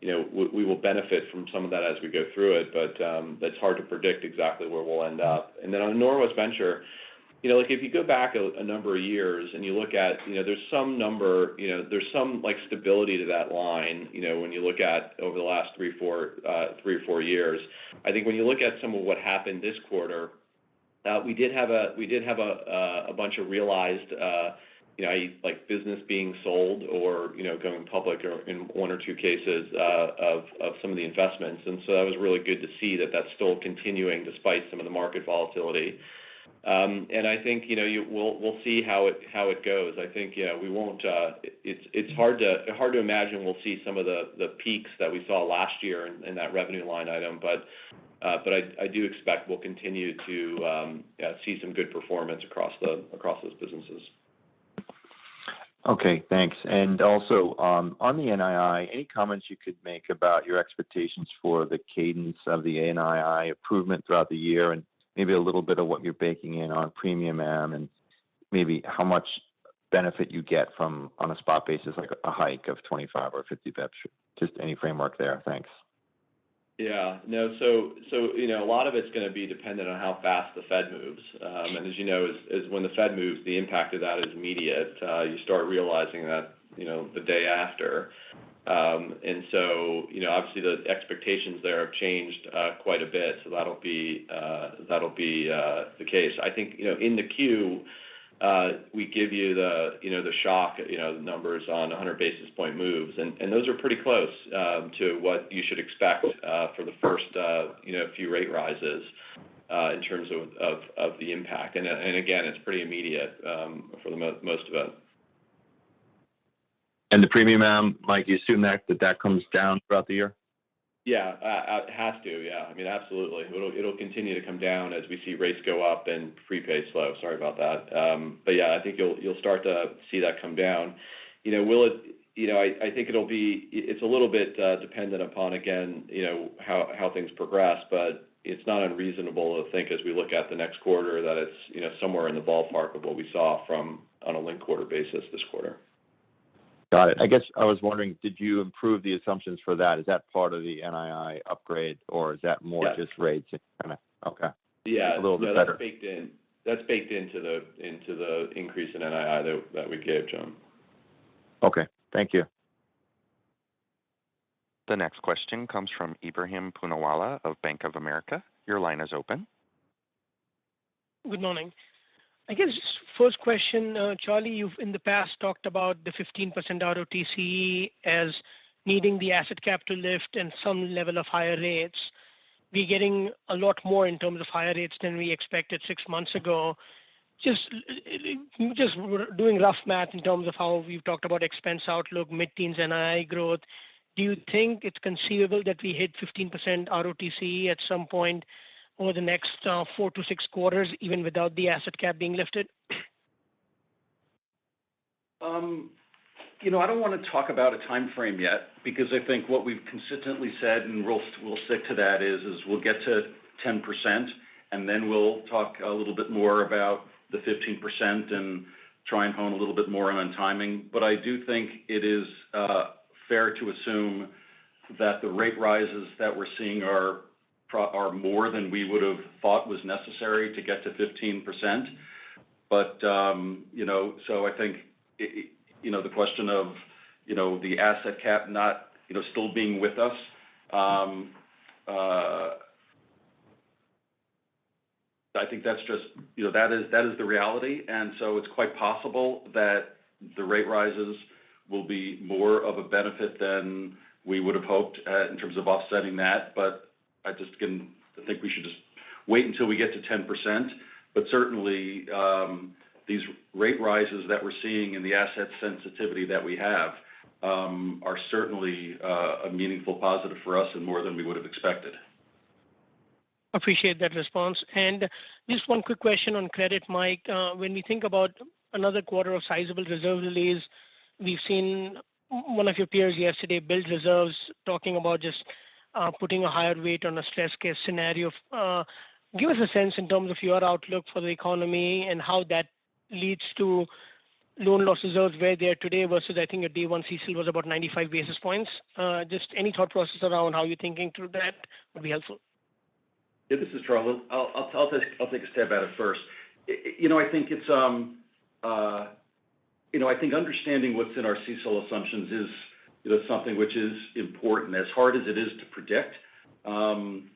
you know we will benefit from some of that as we go through it. It's hard to predict exactly where we'll end up. On Norwest Venture, you know, like, if you go back a number of years and you look at, you know, there's some number, you know, like, stability to that line, you know, when you look at over the last three or four years. I think when you look at some of what happened this quarter, we did have a bunch of realized, you know, like business being sold or, you know, going public or in one or two cases, of some of the investments. That was really good to see that that's still continuing despite some of the market volatility. I think, you know, we'll see how it goes. I think, you know, we won't... It's hard to imagine we'll see some of the peaks that we saw last year in that revenue line item. I do expect we'll continue to see some good performance across those businesses. Okay, thanks. Also, on the NII, any comments you could make about your expectations for the cadence of the NII improvement throughout the year, and maybe a little bit of what you're baking in on premium amortization, and maybe how much benefit you get from, on a spot basis, like a hike of 25 or 50 basis. Just any framework there. Thanks. Yeah. No, you know, a lot of it's gonna be dependent on how fast the Fed moves. As you know, when the Fed moves, the impact of that is immediate. You start realizing that, you know, the day after. You know, obviously the expectations there have changed quite a bit, so that'll be the case. I think, you know, in the Q, we give you the shock, you know, the numbers on a 100 basis point moves. Those are pretty close to what you should expect for the first few rate rises in terms of the impact. Again, it's pretty immediate for the most of us. The premium amortization, Mike, you assume that that comes down throughout the year? Yeah. It has to, yeah. I mean, absolutely. It'll continue to come down as we see rates go up and prepay slow. Sorry about that. But yeah, I think you'll start to see that come down. You know, will it? You know, I think it'll be. It's a little bit dependent upon, again, you know, how things progress, but it's not unreasonable to think as we look at the next quarter that it's, you know, somewhere in the ballpark of what we saw from on a linked quarter basis this quarter. Got it. I guess I was wondering, did you improve the assumptions for that? Is that part of the NII upgrade or is that more- Yeah Just rates and kinda okay. Yeah. A little bit better. That's baked in. That's baked into the increase in NII that we gave, John. Okay, thank you. The next question comes from Ebrahim Poonawala of Bank of America. Your line is open. Good morning. I guess first question, Charlie, you've in the past talked about the 15% ROTCE as needing the asset cap to lift and some level of higher rates. We're getting a lot more in terms of higher rates than we expected six months ago. Just doing rough math in terms of how we've talked about expense outlook, mid-teens NII growth, do you think it's conceivable that we hit 15% ROTCE at some point over the next fourth-six quarters, even without the asset cap being lifted? You know, I don't wanna talk about a timeframe yet because I think what we've consistently said, and we'll stick to that, is we'll get to 10% and then we'll talk a little bit more about the 15% and try and hone a little bit more in on timing. I do think it is fair to assume that the rate rises that we're seeing are more than we would've thought was necessary to get to 15%. You know, I think the question of the asset cap not still being with us. I think that's just you know, that is the reality, and it's quite possible that the rate rises will be more of a benefit than we would've hoped in terms of offsetting that. I think we should just wait until we get to 10%. Certainly, these rate rises that we're seeing and the asset sensitivity that we have are certainly a meaningful positive for us and more than we would've expected. Appreciate that response. Just one quick question on credit, Mike. When we think about another quarter of sizable reserve release, we've seen one of your peers yesterday build reserves talking about just putting a higher weight on a stress case scenario. Give us a sense in terms of your outlook for the economy and how that leads to loan loss reserves where they are today versus, I think, your day one CECL was about 95 basis points. Just any thought process around how you're thinking through that would be helpful. Yeah, this is Charlie. I'll take a stab at it first. You know, I think understanding what's in our CECL assumptions is, you know, something which is important. As hard as it is to predict,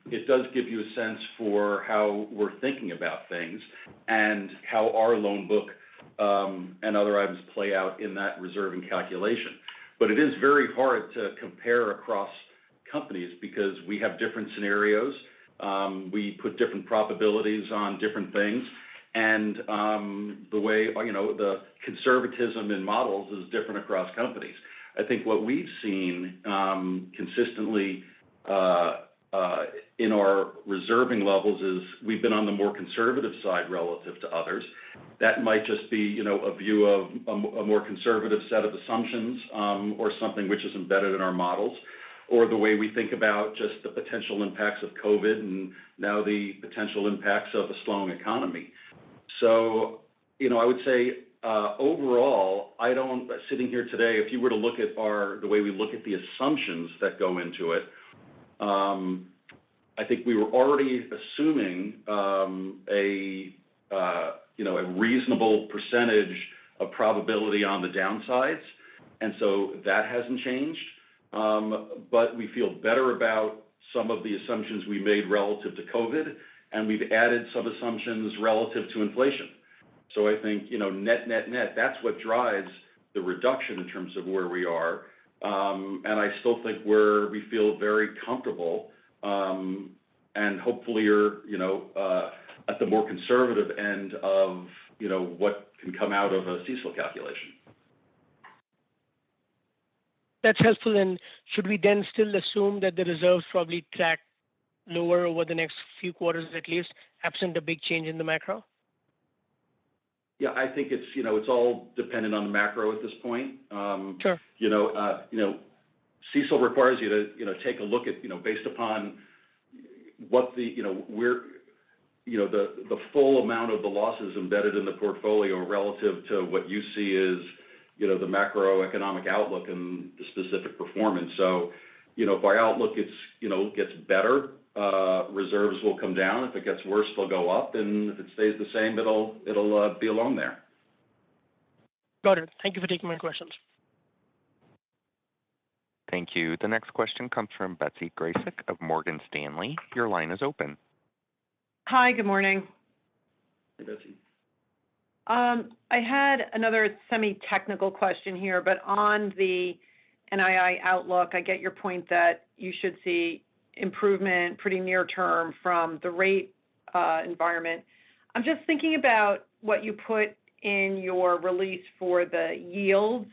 it does give you a sense for how we're thinking about things and how our loan book and other items play out in that reserving calculation. It is very hard to compare across companies because we have different scenarios. We put different probabilities on different things. The way, you know, the conservatism in models is different across companies. I think what we've seen consistently in our reserving levels is we've been on the more conservative side relative to others. That might just be, you know, a view of a more conservative set of assumptions or something which is embedded in our models, or the way we think about just the potential impacts of COVID and now the potential impacts of a slowing economy. You know, I would say, overall, sitting here today, if you were to look at the way we look at the assumptions that go into it, I think we were already assuming a reasonable percentage of probability on the downsides, and so that hasn't changed. We feel better about some of the assumptions we made relative to COVID, and we've added some assumptions relative to inflation. I think, you know, net, that's what drives the reduction in terms of where we are. I still think we feel very comfortable, and hopefully are at the more conservative end of what can come out of a CECL calculation. That's helpful. Should we then still assume that the reserves probably track lower over the next few quarters, at least, absent a big change in the macro? Yeah. I think it's, you know, it's all dependent on the macro at this point. Sure. You know, you know, CECL requires you to, you know, take a look at, you know, based upon what the, you know, the full amount of the losses embedded in the portfolio relative to what you see is, you know, the macroeconomic outlook and the specific performance. If our outlook gets better, reserves will come down. If it gets worse, they'll go up, and if it stays the same, it'll be flat there. Got it. Thank you for taking my questions. Thank you. The next question comes from Betsy Graseck of Morgan Stanley. Your line is open. Hi. Good morning. Hey, Betsy. I had another semi-technical question here, but on the NII outlook, I get your point that you should see improvement pretty near term from the rate environment. I'm just thinking about what you put in your release for the yields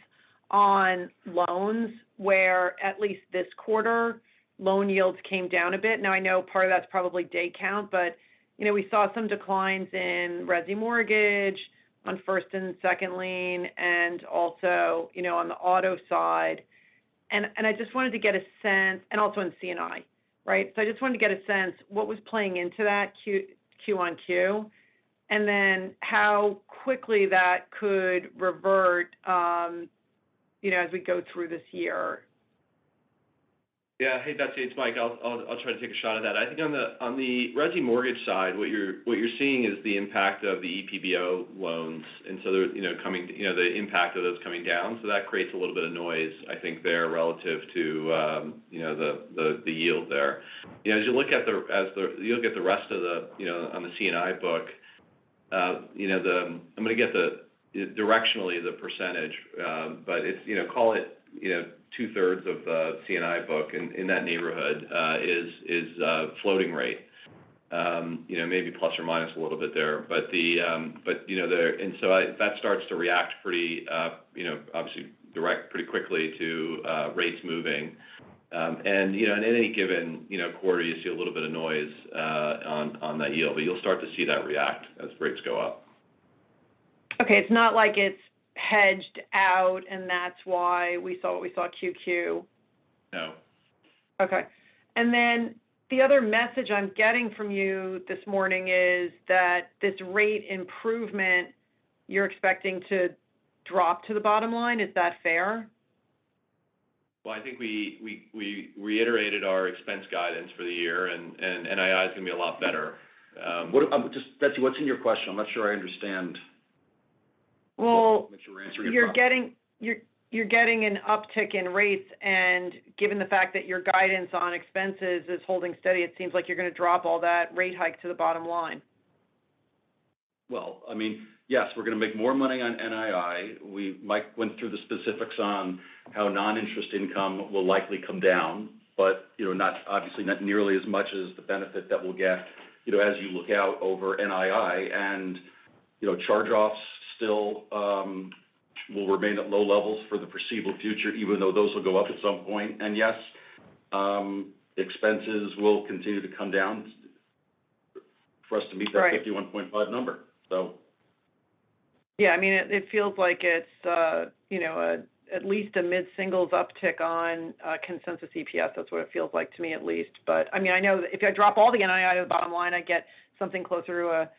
on loans, where at least this quarter, loan yields came down a bit. Now, I know part of that's probably day count, but, you know, we saw some declines in resi mortgage on first and second lien and also, you know, on the auto side. I just wanted to get a sense and also in C&I, right? I just wanted to get a sense what was playing into that quarter-over-quarter, and then how quickly that could revert, you know, as we go through this year. Yeah. Hey, Betsy. It's Mike. I'll try to take a shot at that. I think on the resi mortgage side, what you're seeing is the impact of the EPBO loans, and so they're you know coming you know the impact of those coming down. That creates a little bit of noise, I think, there relative to you know the yield there. You know, as you look at the rest of the you know on the C&I book, you know directionally the percentage, but it's you know call it you know two-thirds of the C&I book in that neighborhood is floating rate. You know, maybe plus or minus a little bit there. But the but you know the... That starts to react pretty, you know, obviously directly pretty quickly to rates moving. You know, in any given, you know, quarter, you see a little bit of noise on that yield, but you'll start to see that react as rates go up. Okay. It's not like it's hedged out, and that's why we saw what we saw QQ. No. Okay. The other message I'm getting from you this morning is that this rate improvement, you're expecting to drop to the bottom line. Is that fair? Well, I think we reiterated our expense guidance for the year, and NII is gonna be a lot better. Betsy, what's in your question? I'm not sure I understand. Well- Make sure we're answering your problem.... you're getting an uptick in rates, and given the fact that your guidance on expenses is holding steady, it seems like you're gonna drop all that rate hike to the bottom line. Well, I mean, yes, we're gonna make more money on NII. Mike went through the specifics on how non-interest income will likely come down, but, you know, obviously not nearly as much as the benefit that we'll get, you know, as you look out over NII. You know, charge-offs still will remain at low levels for the foreseeable future, even though those will go up at some point. Yes, expenses will continue to come down for us to meet that- Right 51.5 number. Yeah. I mean, it feels like it's, you know, at least a mid-singles uptick on consensus EPS. That's what it feels like to me at least. I mean, I know if you drop all the NII to the bottom line, I get something closer to a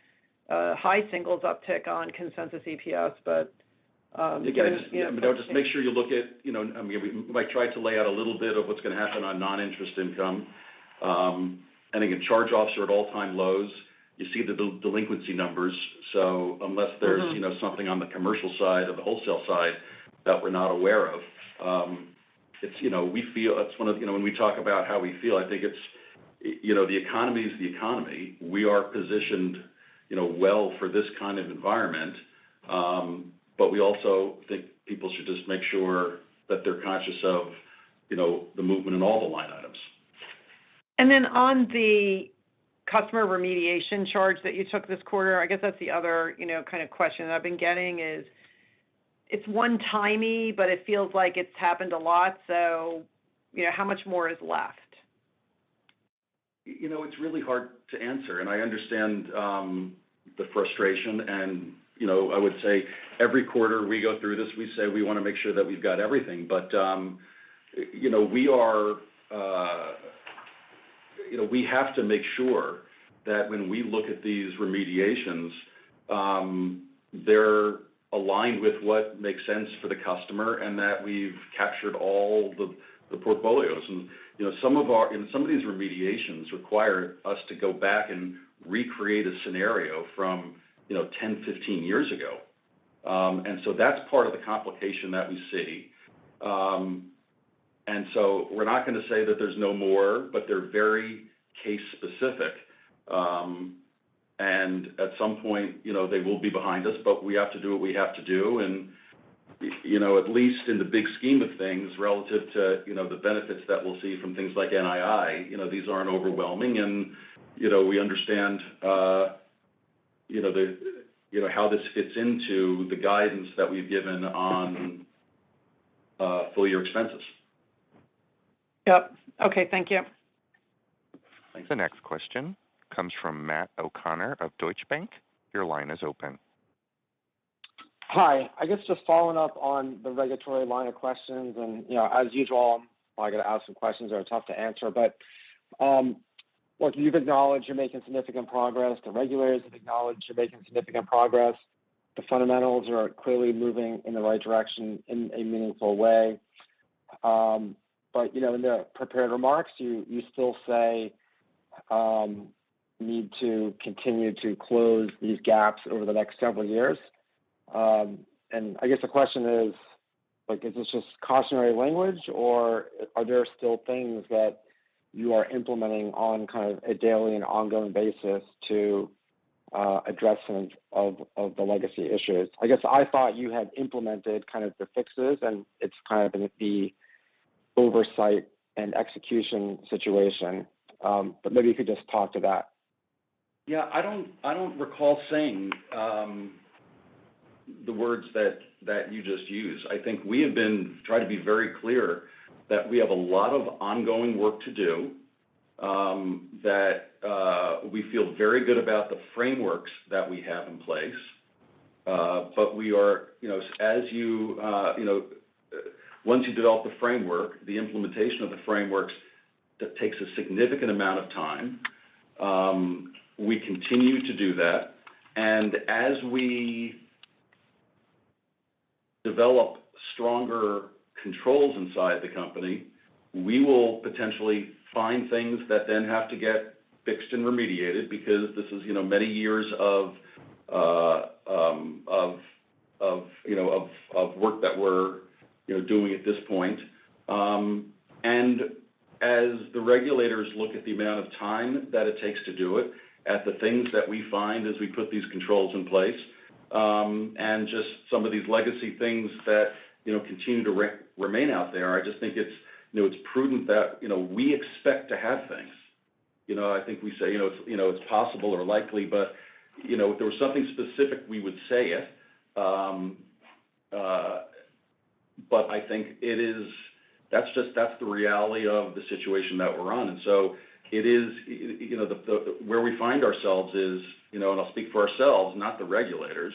high singles uptick on consensus EPS. You know. Again, just, you know, just make sure you look at, you know, I mean, Mike tried to lay out a little bit of what's gonna happen on non-interest income. Again, charge-offs are at all-time lows. You see the delinquency numbers. Unless there's- Mm-hmm You know, something on the commercial side or the wholesale side that we're not aware of. It's, you know, we feel that's one of. You know, when we talk about how we feel, I think it's, you know, the economy is the economy. We are positioned, you know, well for this kind of environment. We also think people should just make sure that they're conscious of, you know, the movement in all the line items. On the customer remediation charge that you took this quarter, I guess that's the other, you know, kind of question that I've been getting is it's one-timey, but it feels like it's happened a lot, so, you know, how much more is left? You know, it's really hard to answer, and I understand the frustration and, you know, I would say every quarter we go through this. We say we wanna make sure that we've got everything. You know, we have to make sure that when we look at these remediations, they're aligned with what makes sense for the customer and that we've captured all the portfolios. You know, some of these remediations require us to go back and recreate a scenario from, you know, 10-15 years ago. That's part of the complication that we see. We're not gonna say that there's no more, but they're very case specific. At some point, you know, they will be behind us, but we have to do what we have to do. You know, at least in the big scheme of things, relative to, you know, the benefits that we'll see from things like NII, you know, these aren't overwhelming and, you know, we understand, you know, the, you know, how this fits into the guidance that we've given on full year expenses. Yep. Okay. Thank you. Thanks. The next question comes from Matt O'Connor of Deutsche Bank. Your line is open. Hi. I guess just following up on the regulatory line of questions. You know, as usual, I'm gonna ask some questions that are tough to answer. Look, you've acknowledged you're making significant progress. The regulators have acknowledged you're making significant progress. The fundamentals are clearly moving in the right direction in a meaningful way. You know, in the prepared remarks, you still say need to continue to close these gaps over the next several years. I guess the question is, like, is this just cautionary language or are there still things that you are implementing on kind of a daily and ongoing basis to address some of the legacy issues? I guess I thought you had implemented kind of the fixes and it's kind of in the oversight and execution situation. Maybe you could just talk to that. Yeah. I don't recall saying the words that you just used. I think we have been trying to be very clear that we have a lot of ongoing work to do, that we feel very good about the frameworks that we have in place. Once you develop the framework, the implementation of the frameworks takes a significant amount of time. We continue to do that. As we develop stronger controls inside the company, we will potentially find things that then have to get fixed and remediated because this is, you know, many years of work that we're, you know, doing at this point. As the regulators look at the amount of time that it takes to do it, at the things that we find as we put these controls in place, and just some of these legacy things that, you know, continue to remain out there, I just think it's, you know, it's prudent that, you know, we expect to have things. You know, I think we say, you know, it's, you know, it's possible or likely, but, you know, if there was something specific, we would say it. But I think it is. That's just, that's the reality of the situation that we're on. It is, you know, the where we find ourselves is, you know. I'll speak for ourselves, not the regulators.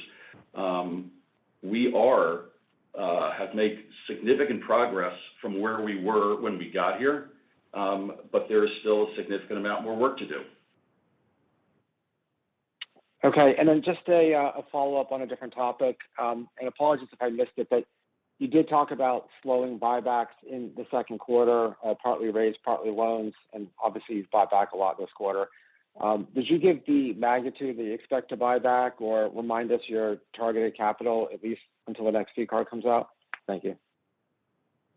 We have made significant progress from where we were when we got here, but there is still a significant amount more work to do. Okay. Then just a follow-up on a different topic. Apologies if I missed it, but you did talk about slowing buybacks in the second quarter, partly rates, partly loans, and obviously you've bought back a lot this quarter. Did you give the magnitude that you expect to buy back or remind us your targeted capital at least until the next CCAR comes out? Thank you.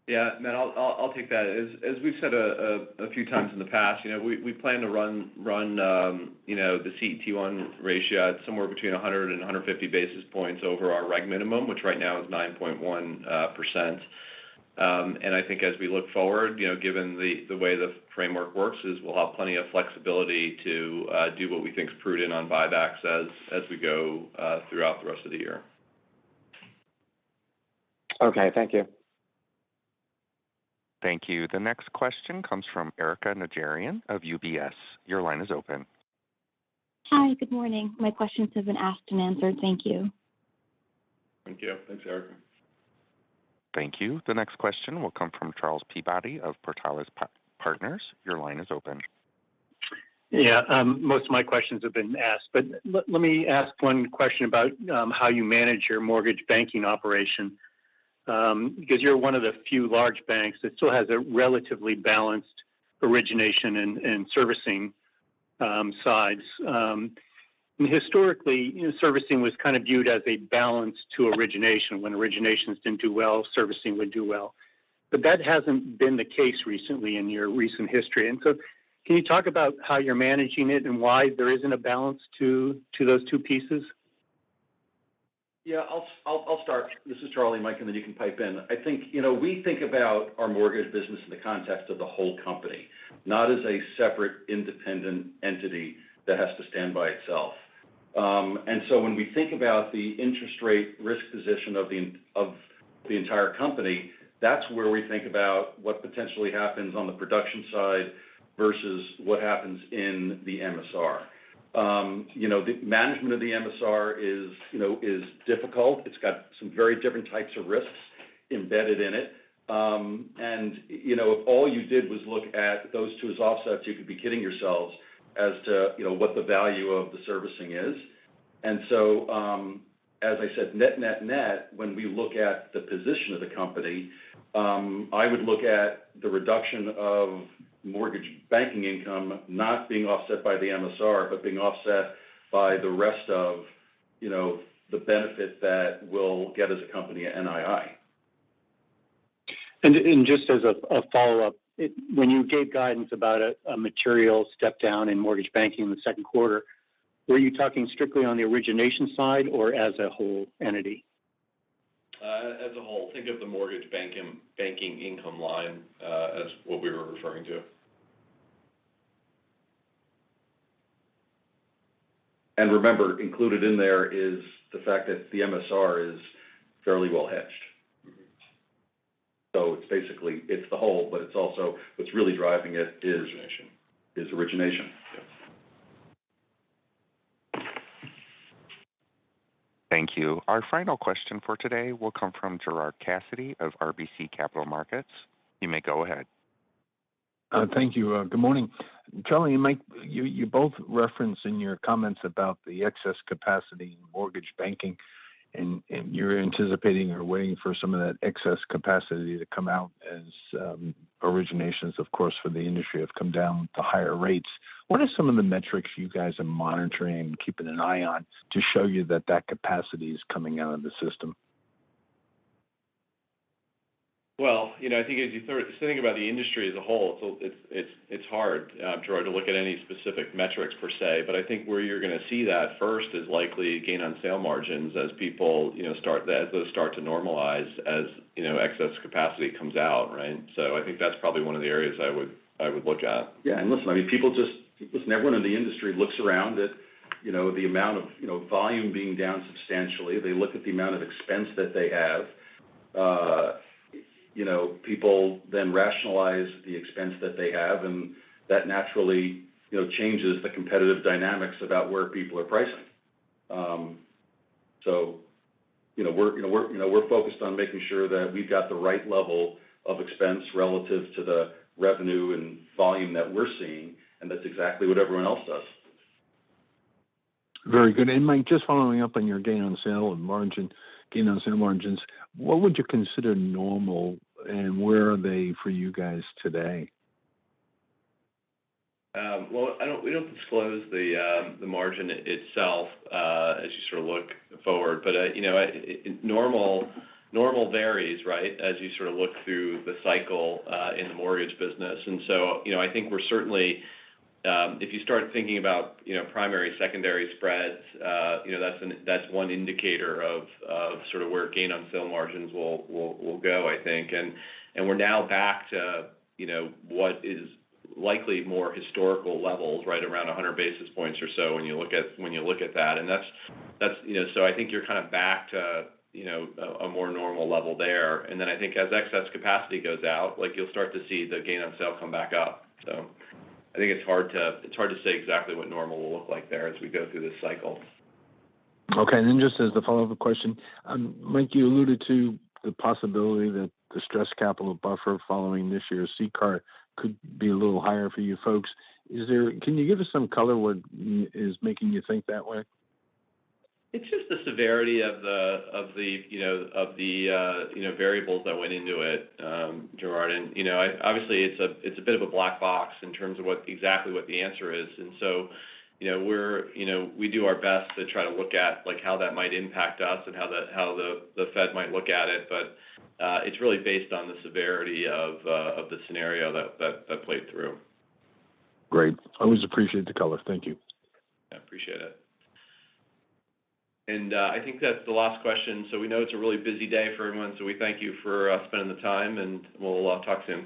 Yeah. Matt, I'll take that. As we've said a few times in the past, you know, we plan to run, you know, the CET1 ratio at somewhere between 100 and 150 basis points over our reg minimum, which right now is 9.1%. I think as we look forward, you know, given the way the framework works, we'll have plenty of flexibility to do what we think is prudent on buybacks as we go throughout the rest of the year. Okay. Thank you. Thank you. The next question comes from Erika Najarian of UBS. Your line is open. Hi. Good morning. My question has been asked and answered. Thank you. Thank you. Thanks, Erika. Thank you. The next question will come from Charles Peabody of Portales Partners. Your line is open. Yeah. Most of my questions have been asked, but let me ask one question about how you manage your mortgage banking operation. Because you're one of the few large banks that still has a relatively balanced origination and servicing sides. Historically, you know, servicing was kind of viewed as a balance to origination. When originations didn't do well, servicing would do well. That hasn't been the case recently in your recent history, so can you talk about how you're managing it and why there isn't a balance to those two pieces? Yeah. I'll start. This is Charlie. Mike, and then you can pipe in. I think, you know, we think about our mortgage business in the context of the whole company, not as a separate, independent entity that has to stand by itself. When we think about the interest rate risk position of the entire company, that's where we think about what potentially happens on the production side versus what happens in the MSR. You know, the management of the MSR is difficult. It's got some very different types of risks embedded in it. You know, if all you did was look at those two as offsets, you could be kidding yourselves as to what the value of the servicing is. As I said, net, when we look at the position of the company, I would look at the reduction of mortgage banking income not being offset by the MSR, but being offset by the rest of, you know, the benefit that we'll get as a company at NII. Just as a follow-up, when you gave guidance about a material step-down in mortgage banking in the second quarter, were you talking strictly on the origination side or as a whole entity? As a whole, think of the mortgage banking income line as what we were referring to. Remember, included in there is the fact that the MSR is fairly well hedged. Mm-hmm. It's basically the whole, but it's also what's really driving it. Origination is origination. Yes. Thank you. Our final question for today will come from Gerard Cassidy of RBC Capital Markets. You may go ahead. Thank you. Good morning. Charlie and Mike, you both referenced in your comments about the excess capacity in mortgage banking, and you're anticipating or waiting for some of that excess capacity to come out as originations, of course, for the industry have come down to higher rates. What are some of the metrics you guys are monitoring and keeping an eye on to show you that capacity is coming out of the system? Well, you know, I think as you start thinking about the industry as a whole, it's hard, Gerard, to look at any specific metrics per se. I think where you're gonna see that first is likely gain-on-sale margins as people, you know, as those start to normalize as, you know, excess capacity comes out, right? I think that's probably one of the areas I would look at. Yeah. Listen, I mean, everyone in the industry looks around at, you know, the amount of, you know, volume being down substantially. They look at the amount of expense that they have. You know, people then rationalize the expense that they have, and that naturally, you know, changes the competitive dynamics about where people are pricing. You know, we're focused on making sure that we've got the right level of expense relative to the revenue and volume that we're seeing, and that's exactly what everyone else does. Very good. Mike, just following up on your gain-on-sale and margin, gain-on-sale margins, what would you consider normal, and where are they for you guys today? Well, we don't disclose the margin itself, as you sort of look forward. You know, normal varies, right? As you sort of look through the cycle, in the mortgage business. You know, I think we're certainly, if you start thinking about, you know, primary, secondary spreads, you know, that's one indicator of sort of where gain-on-sale margins will go, I think. We're now back to, you know, what is likely more historical levels, right around 100 basis points or so when you look at that. That's, you know, so I think you're kind of back to, you know, a more normal level there. I think as excess capacity goes out, like, you'll start to see the gain-on-sale come back up. I think it's hard to say exactly what normal will look like there as we go through this cycle. Okay. Just a follow-up question, Mike. You alluded to the possibility that the stress capital buffer following this year's CCAR could be a little higher for you folks. Can you give us some color what is making you think that way? It's just the severity of the, you know, of the variables that went into it, Gerard. You know, obviously, it's a bit of a black box in terms of what exactly the answer is. You know, we do our best to try to look at, like, how that might impact us and how the Fed might look at it. It's really based on the severity of the scenario that played through. Great. Always appreciate the color. Thank you. I appreciate it. I think that's the last question. We know it's a really busy day for everyone, so we thank you for spending the time, and we'll talk soon.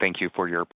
Thank you for your-